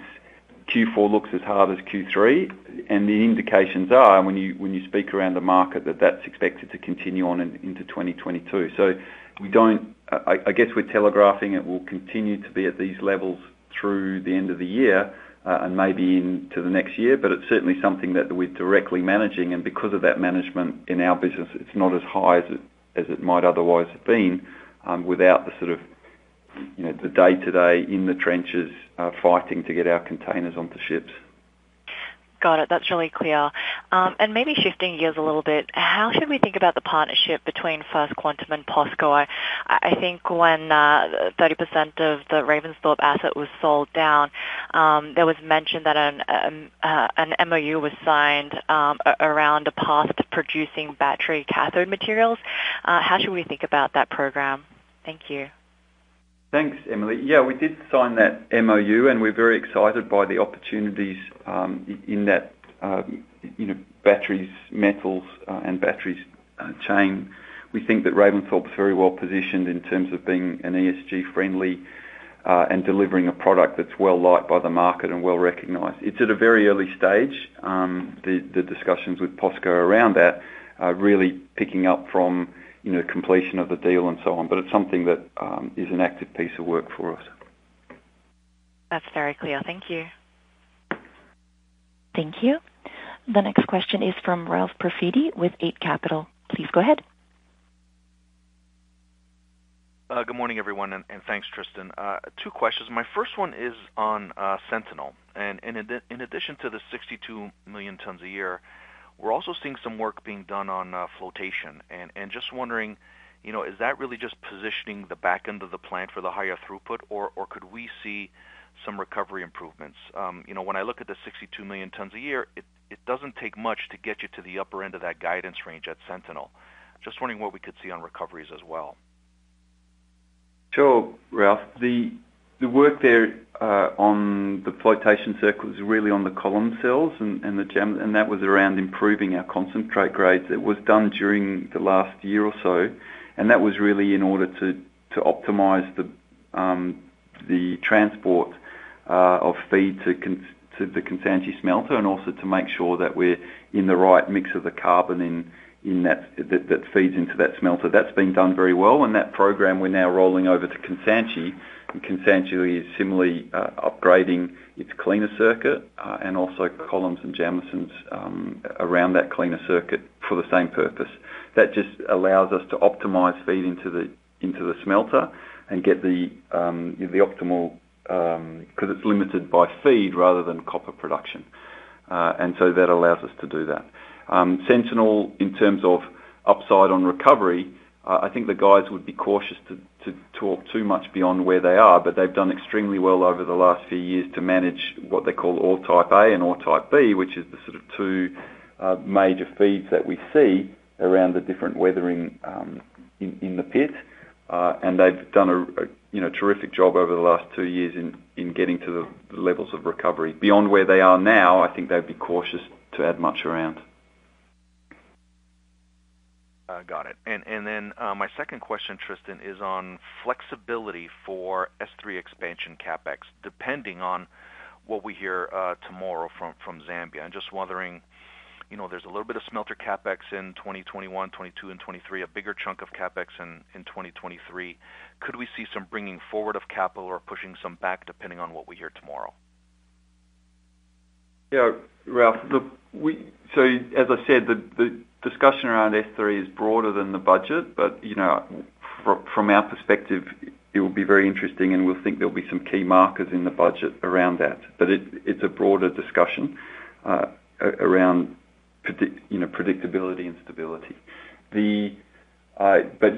Q4 looks as hard as Q3. The indications are when you speak around the market that that's expected to continue on into 2022. I guess we're telegraphing it will continue to be at these levels through the end of the year, and maybe into the next year. It's certainly something that we're directly managing. Because of that management in our business, it's not as high as it might otherwise have been, without the sort of, you know, the day-to-day in the trenches, fighting to get our containers onto ships. Got it. That's really clear. Maybe shifting gears a little bit, how should we think about the partnership between First Quantum and POSCO? I think when 30% of the Ravensthorpe asset was sold down, there was mention that an MOU was signed around a path to producing battery cathode materials. How should we think about that program? Thank you. Thanks, Emily. Yeah, we did sign that MOU, and we're very excited by the opportunities in that, you know, battery metals and battery chain. We think that Ravensthorpe is very well positioned in terms of being an ESG-friendly and delivering a product that's well-liked by the market and well-recognized. It's at a very early stage. The discussions with POSCO around that are really picking up from, you know, completion of the deal and so on. It's something that is an active piece of work for us. That's very clear. Thank you. Thank you. The next question is from Ralph Profiti with Eight Capital. Please go ahead. Good morning, everyone, and thanks, Tristan. Two questions. My first one is on Sentinel. In addition to the 62 million tons a year, we're also seeing some work being done on flotation. Just wondering, you know, is that really just positioning the back end of the plant for the higher throughput? Or could we see some recovery improvements? You know, when I look at the 62 million tons a year, it doesn't take much to get you to the upper end of that guidance range at Sentinel. Just wondering what we could see on recoveries as well. Sure, Ralph. The work there on the flotation circuit is really on the column cells and the Jameson. That was around improving our concentrate grades. It was done during the last year or so. That was really in order to optimize the transport of feed to the Kansanshi smelter and also to make sure that we're in the right mix of the copper in that feeds into that smelter. That's been done very well. That program we're now rolling over to Kansanshi. Kansanshi is similarly upgrading its cleaner circuit and also columns and Jamesons around that cleaner circuit for the same purpose. That just allows us to optimize feed into the smelter and get the optimal 'cause it's limited by feed rather than copper production. That allows us to do that. Sentinel, in terms of upside on recovery, I think the guys would be cautious to talk too much beyond where they are. They've done extremely well over the last few years to manage what they call Ore Type A and Ore Type B, which is the sort of two major feeds that we see around the different weathering in the pit. You know, they've done a terrific job over the last two years in getting to the levels of recovery. Beyond where they are now, I think they'd be cautious to add much around. Got it. My second question, Tristan, is on flexibility for S3 expansion CapEx, depending on what we hear tomorrow from Zambia. I'm just wondering, you know, there's a little bit of smelter CapEx in 2021, 2022 and 2023, a bigger chunk of CapEx in 2023. Could we see some bringing forward of capital or pushing some back depending on what we hear tomorrow? Yeah. Ralph, look, as I said, the discussion around S3 is broader than the budget. You know, from our perspective, it will be very interesting, and we think there'll be some key markers in the budget around that. It is a broader discussion around, you know, predictability and stability.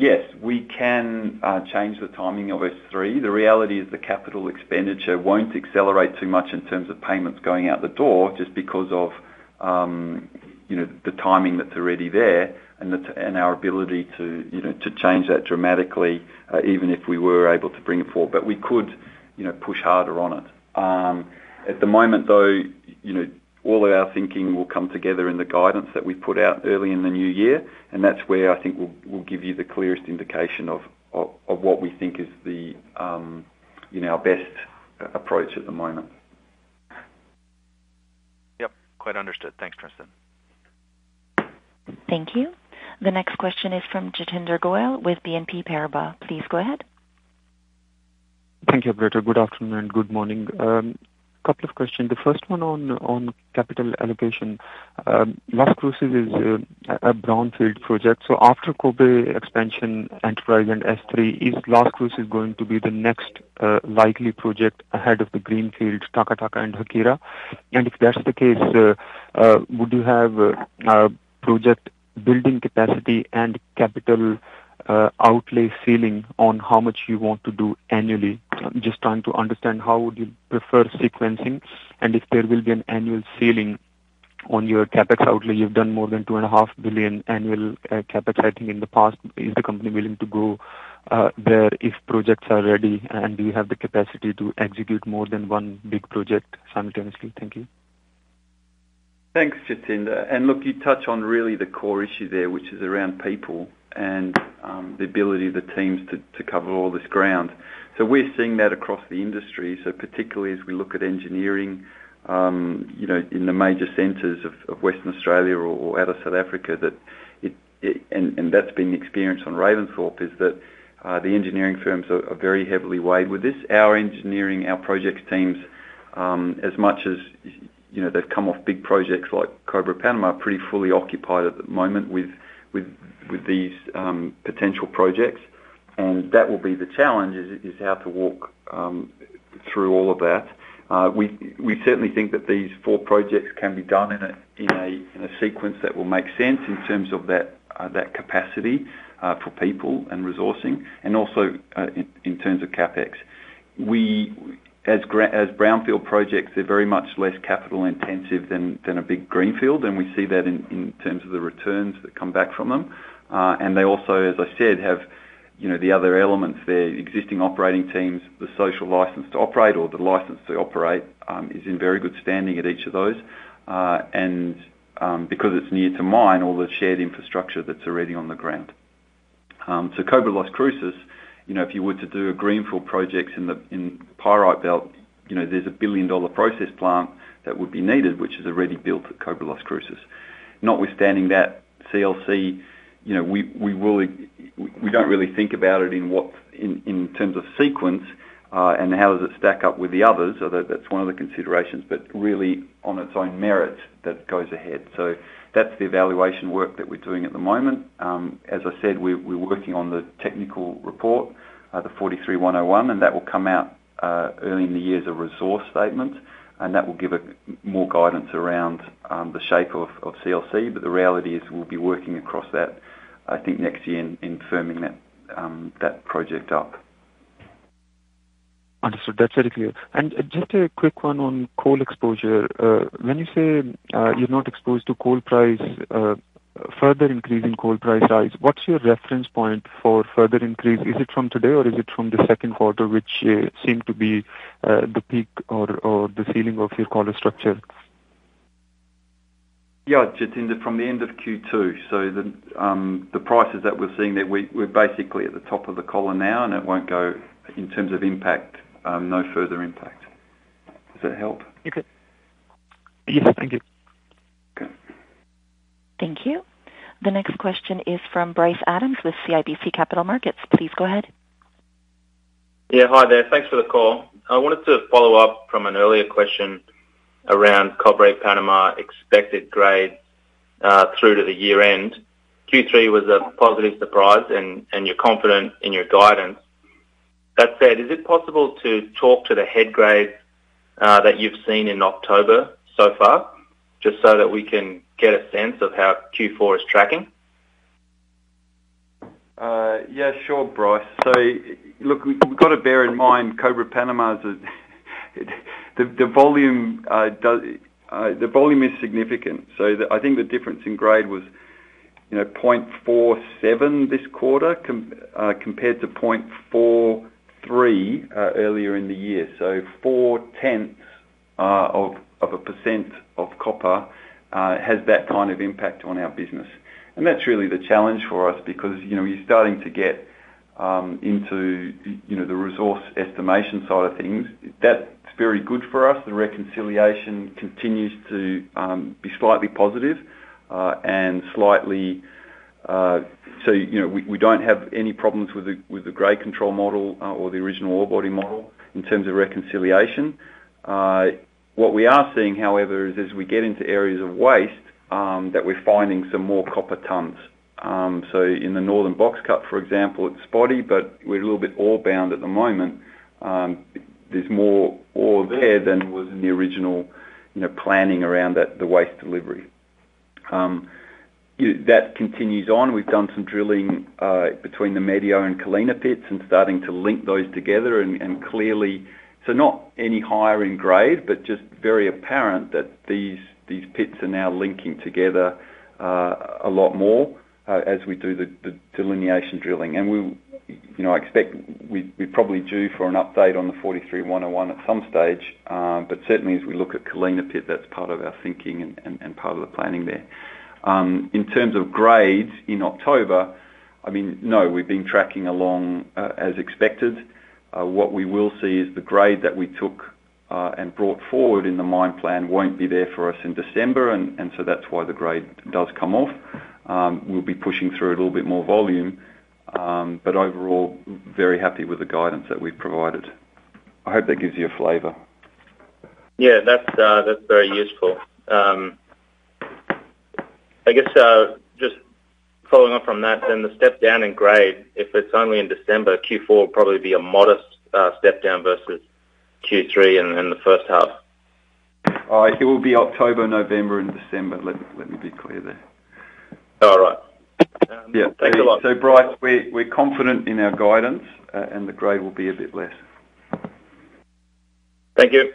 Yes, we can change the timing of S3. The reality is the capital expenditure won't accelerate too much in terms of payments going out the door just because of, you know, the timing that's already there and our ability to, you know, to change that dramatically, even if we were able to bring it forward. We could, you know, push harder on it. At the moment though, you know, all of our thinking will come together in the guidance that we put out early in the new year, and that's where I think we'll give you the clearest indication of what we think is the, you know, best approach at the moment. Yep, quite understood. Thanks, Tristan. Thank you. The next question is from Jatinder Goel with BNP Paribas. Please go ahead. Thank you, operator. Good afternoon. Good morning. A couple of questions. The first one on capital allocation. Las Cruces is a brownfield project. After Cobre expansion, Enterprise and S3, is Las Cruces going to be the next likely project ahead of the greenfield Taca Taca and Haquira? And if that's the case, would you have project building capacity and capital outlay ceiling on how much you want to do annually? I'm just trying to understand how would you prefer sequencing, and if there will be an annual ceiling on your CapEx outlay. You've done more than $2.5 billion annual CapEx, I think in the past. Is the company willing to go there if projects are ready, and do you have the capacity to execute more than one big project simultaneously? Thank you. Thanks, Jatinder. Look, you touch on really the core issue there, which is around people and the ability of the teams to cover all this ground. We're seeing that across the industry. Particularly as we look at engineering, you know, in the major centers of Western Australia or out of South Africa, that's been the experience on Ravensthorpe that the engineering firms are very heavily weighed with this. Our engineering, our projects teams, as much as, you know, they've come off big projects like Cobre Panama, are pretty fully occupied at the moment with these potential projects. That will be the challenge, how to work through all of that. We certainly think that these four projects can be done in a sequence that will make sense in terms of that capacity for people and resourcing, and also in terms of CapEx. As brownfield projects, they're very much less capital intensive than a big greenfield, and we see that in terms of the returns that come back from them. They also, as I said, have you know the other elements there, existing operating teams, the social license to operate or the license to operate is in very good standing at each of those. Because it's near the mine, all the shared infrastructure that's already on the ground. Cobre Las Cruces, you know, if you were to do a greenfield project in the Pyrite Belt, you know, there's a billion-dollar process plant that would be needed, which is already built at Cobre Las Cruces. Notwithstanding that CLC, you know, we really don't think about it in terms of sequence and how does it stack up with the others, although that's one of the considerations, but really on its own merits that goes ahead. That's the evaluation work that we're doing at the moment. As I said, we're working on the technical report, the NI 43-101, and that will come out early in the year as a resource statement, and that will give more guidance around the shape of CLC. The reality is we'll be working across that, I think, next year in firming that project up. Understood. That's very clear. Just a quick one on coal exposure. When you say you're not exposed to coal price further increase in coal price rise, what's your reference point for further increase? Is it from today or is it from the second quarter, which seemed to be the peak or the ceiling of your collar structure? Yeah. Jatinder, from the end of Q2. The prices that we're seeing there, we're basically at the top of the collar now and it won't go, in terms of impact, no further impact. Does that help? Okay. Yes, thank you. Okay. Thank you. The next question is from Bryce Adams with CIBC Capital Markets. Please go ahead. Yeah. Hi there. Thanks for the call. I wanted to follow up from an earlier question around Cobre Panama expected grades through to the year end. Q3 was a positive surprise and you're confident in your guidance. That said, is it possible to talk to the head grades that you've seen in October so far, just so that we can get a sense of how Q4 is tracking? Yeah, sure, Bryce. Look, we've got to bear in mind Cobre Panama is a. The volume is significant. I think the difference in grade was, you know, 0.47 this quarter compared to 0.43 earlier in the year. 0.4 of a percent of copper has that kind of impact on our business. That's really the challenge for us because, you know, you're starting to get into the resource estimation side of things. That's very good for us. The reconciliation continues to be slightly positive and slightly so, you know, we don't have any problems with the grade control model or the original ore body model in terms of reconciliation. What we are seeing, however, is as we get into areas of waste, that we're finding some more copper tons. In the northern box cut, for example, it's spotty, but we're a little bit ore bound at the moment. There's more ore there than was in the original, you know, planning around that, the waste delivery. That continues on. We've done some drilling between the Medio and Colina pits and starting to link those together and clearly so not any higher in grade, but just very apparent that these pits are now linking together a lot more as we do the delineation drilling. You know, I expect we're probably due for an update on the NI 43-101 at some stage. Certainly as we look at Colina pit, that's part of our thinking and part of the planning there. In terms of grades in October, I mean, no, we've been tracking along as expected. What we will see is the grade that we took and brought forward in the mine plan won't be there for us in December. So that's why the grade does come off. We'll be pushing through a little bit more volume, but overall very happy with the guidance that we've provided. I hope that gives you a flavor. Yeah, that's very useful. I guess just following up from that then, the step down in grade, if it's only in December, Q4 will probably be a modest step down versus Q3 and the first half. It will be October, November and December. Let me be clear there. All right. Yeah. Thanks a lot. Bryce, we're confident in our guidance, and the grade will be a bit less. Thank you.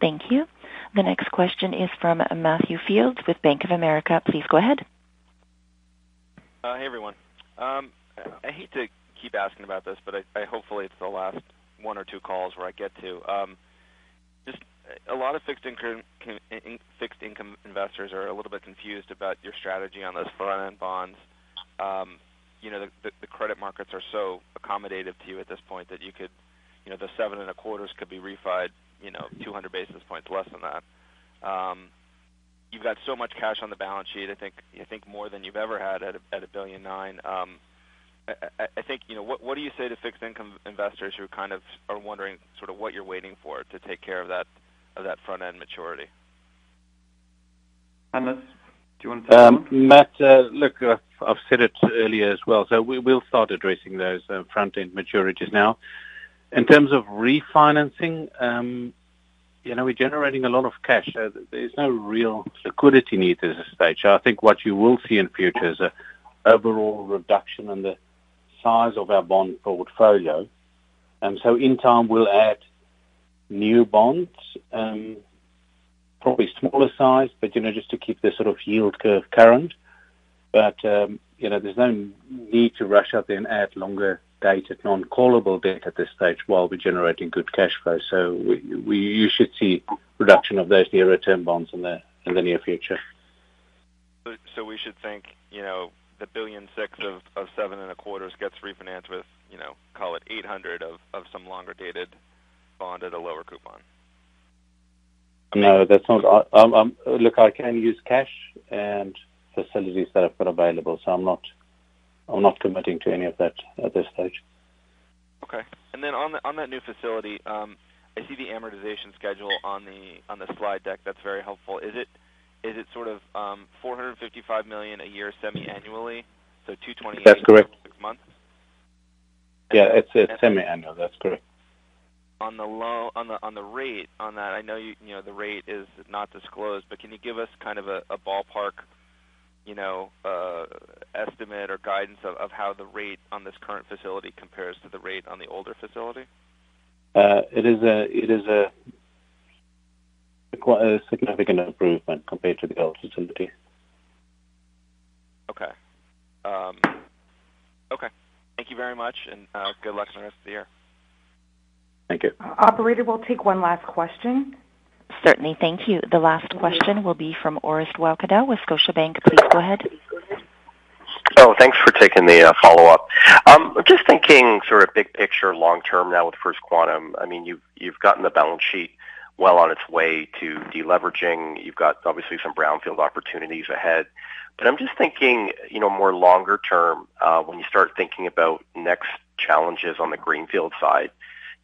Thank you. The next question is from Matthew Fields with Bank of America. Please go ahead. Hey, everyone. I hate to keep asking about this, but hopefully it's the last one or two calls where I get to. Just a lot of fixed income investors are a little bit confused about your strategy on those front-end bonds. You know, the credit markets are so accommodative to you at this point that you could, you know, the 7 1/4s could be refinanced, you know, 200 basis points less than that. You've got so much cash on the balance sheet. I think more than you've ever had at $1.9 billion. I think, you know, what do you say to fixed income investors who kind of are wondering sort of what you're waiting for to take care of that front-end maturity? Hannes, do you wanna take that one? Matt, look, I've said it earlier as well, so we'll start addressing those front-end maturities now. In terms of refinancing, you know, we're generating a lot of cash, so there's no real liquidity need at this stage. I think what you will see in future is a overall reduction in the size of our bond portfolio. In time, we'll add new bonds, probably smaller size, but you know, just to keep the sort of yield curve current. You know, there's no need to rush out there and add longer dated non-callable debt at this stage while we're generating good cash flow. You should see reduction of those near-term bonds in the near future. We should think, you know, the $1.6 billion of 7.25s gets refinanced with, you know, call it $800 million of some longer-dated bond at a lower coupon? No, that's not. Look, I can use cash and facilities that I've got available, so I'm not committing to any of that at this stage. Okay. On that new facility, I see the amortization schedule on the slide deck. That's very helpful. Is it sort of $455 million a year semiannually? Two twenty- That's correct. 18, six months? Yeah. It's semiannual. That's correct. On the rate on that, I know you know the rate is not disclosed, but can you give us kind of a ballpark, you know, estimate or guidance of how the rate on this current facility compares to the rate on the older facility? It is a significant improvement compared to the old facility. Okay. Thank you very much, and good luck on the rest of the year. Thank you. Operator, we'll take one last question. Certainly. Thank you. The last question will be from Orest Wowkodaw with Scotiabank. Please go ahead. Go ahead. Oh, thanks for taking the follow-up. Just thinking sort of big picture long term now with First Quantum, I mean, you've gotten the balance sheet well on its way to deleveraging. You've got obviously some brownfield opportunities ahead. I'm just thinking, you know, more longer term, when you start thinking about next challenges on the greenfield side,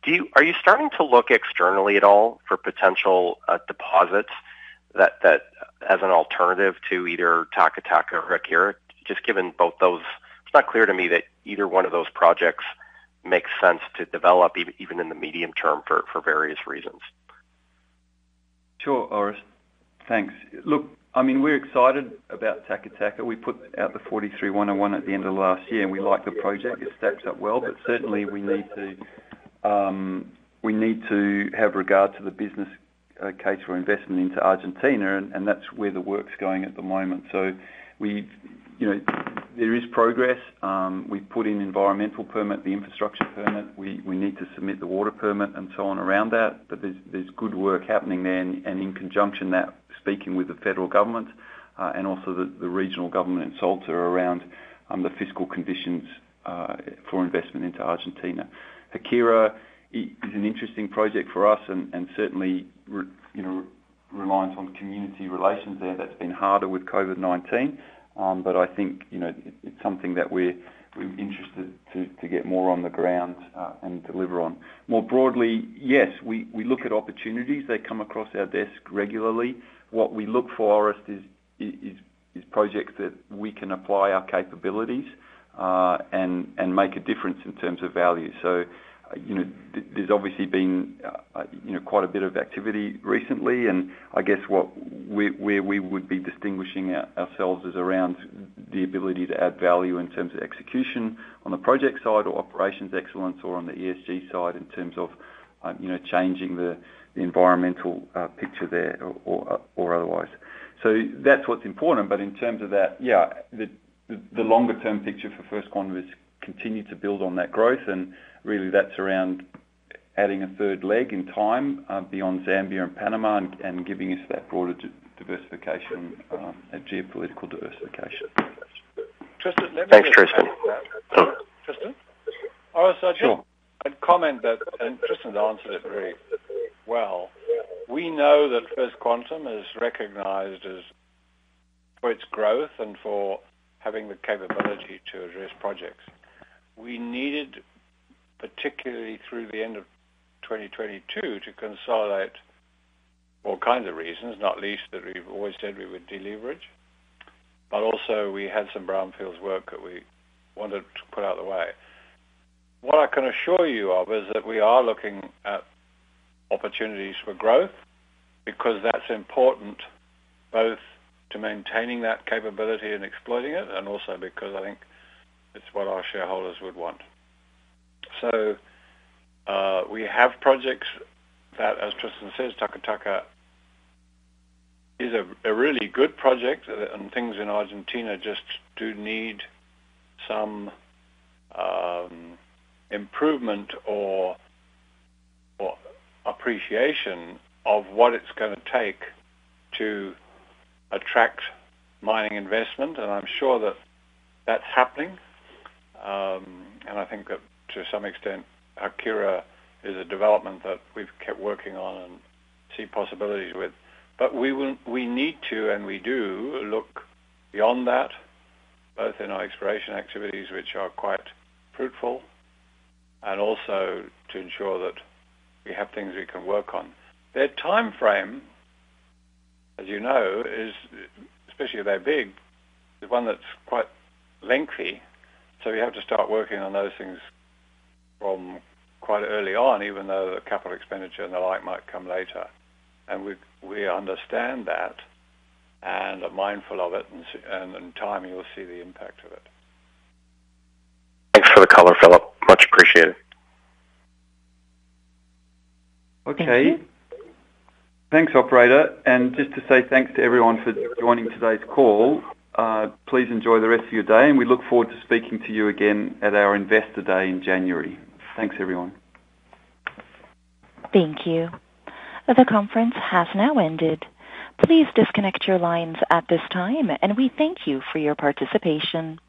do you, are you starting to look externally at all for potential deposits that as an alternative to either Taca Taca or Haquira? Just given both those, it's not clear to me that either one of those projects makes sense to develop even in the medium term for various reasons. Sure, Orest. Thanks. Look, I mean, we're excited about Taca Taca. We put out the NI 43-101 at the end of last year, and we like the project. It stacks up well, but certainly we need to have regard to the business case for investment into Argentina, and that's where the work's going at the moment. We, you know, there is progress. We've put in the environmental permit, the infrastructure permit. We need to submit the water permit and so on around that. But there's good work happening there. In conjunction, they're speaking with the federal government, and also the regional government in Salta around the fiscal conditions for investment into Argentina. Haquira is an interesting project for us and certainly reliance on community relations there. That's been harder with COVID-19. I think, you know, it's something that we're interested to get more on the ground and deliver on. More broadly, yes, we look at opportunities that come across our desk regularly. What we look for, Orest, is projects that we can apply our capabilities and make a difference in terms of value. You know, there's obviously been, you know, quite a bit of activity recently, and I guess where we would be distinguishing ourselves is around the ability to add value in terms of execution on the project side or operations excellence or on the ESG side in terms of, you know, changing the environmental picture there or otherwise. That's what's important. In terms of that, yeah, the longer-term picture for First Quantum is continue to build on that growth, and really that's around adding a third leg in time beyond Zambia and Panama, and giving us that broader diversification, a geopolitical diversification. Tristan, let me Thanks, Tristan. Tristan? Sure. Orest, I'd comment that, and Tristan answered it very well. We know that First Quantum is recognized as for its growth and for having the capability to address projects. We needed, particularly through the end of 2022, to consolidate all kinds of reasons, not least that we've always said we would deleverage, but also we had some brownfields work that we wanted to put out of the way. What I can assure you of is that we are looking at opportunities for growth because that's important both to maintaining that capability and exploiting it, and also because I think it's what our shareholders would want. We have projects that, as Tristan says, Taca Taca is a really good project. Things in Argentina just do need some improvement or appreciation of what it's gonna take to attract mining investment. I'm sure that that's happening. I think that to some extent, Haquira is a development that we've kept working on and see possibilities with. We need to, and we do look beyond that, both in our exploration activities, which are quite fruitful, and also to ensure that we have things we can work on. Their timeframe, as you know, is, especially if they're big, the one that's quite lengthy. We have to start working on those things from quite early on, even though the capital expenditure and the like might come later. We understand that and are mindful of it. In time, you will see the impact of it. Thanks for the color, Philip. Much appreciated. Okay. Thanks, operator. Just to say thanks to everyone for joining today's call. Please enjoy the rest of your day, and we look forward to speaking to you again at our Investor Day in January. Thanks, everyone. Thank you. The conference has now ended. Please disconnect your lines at this time, and we thank you for your participation.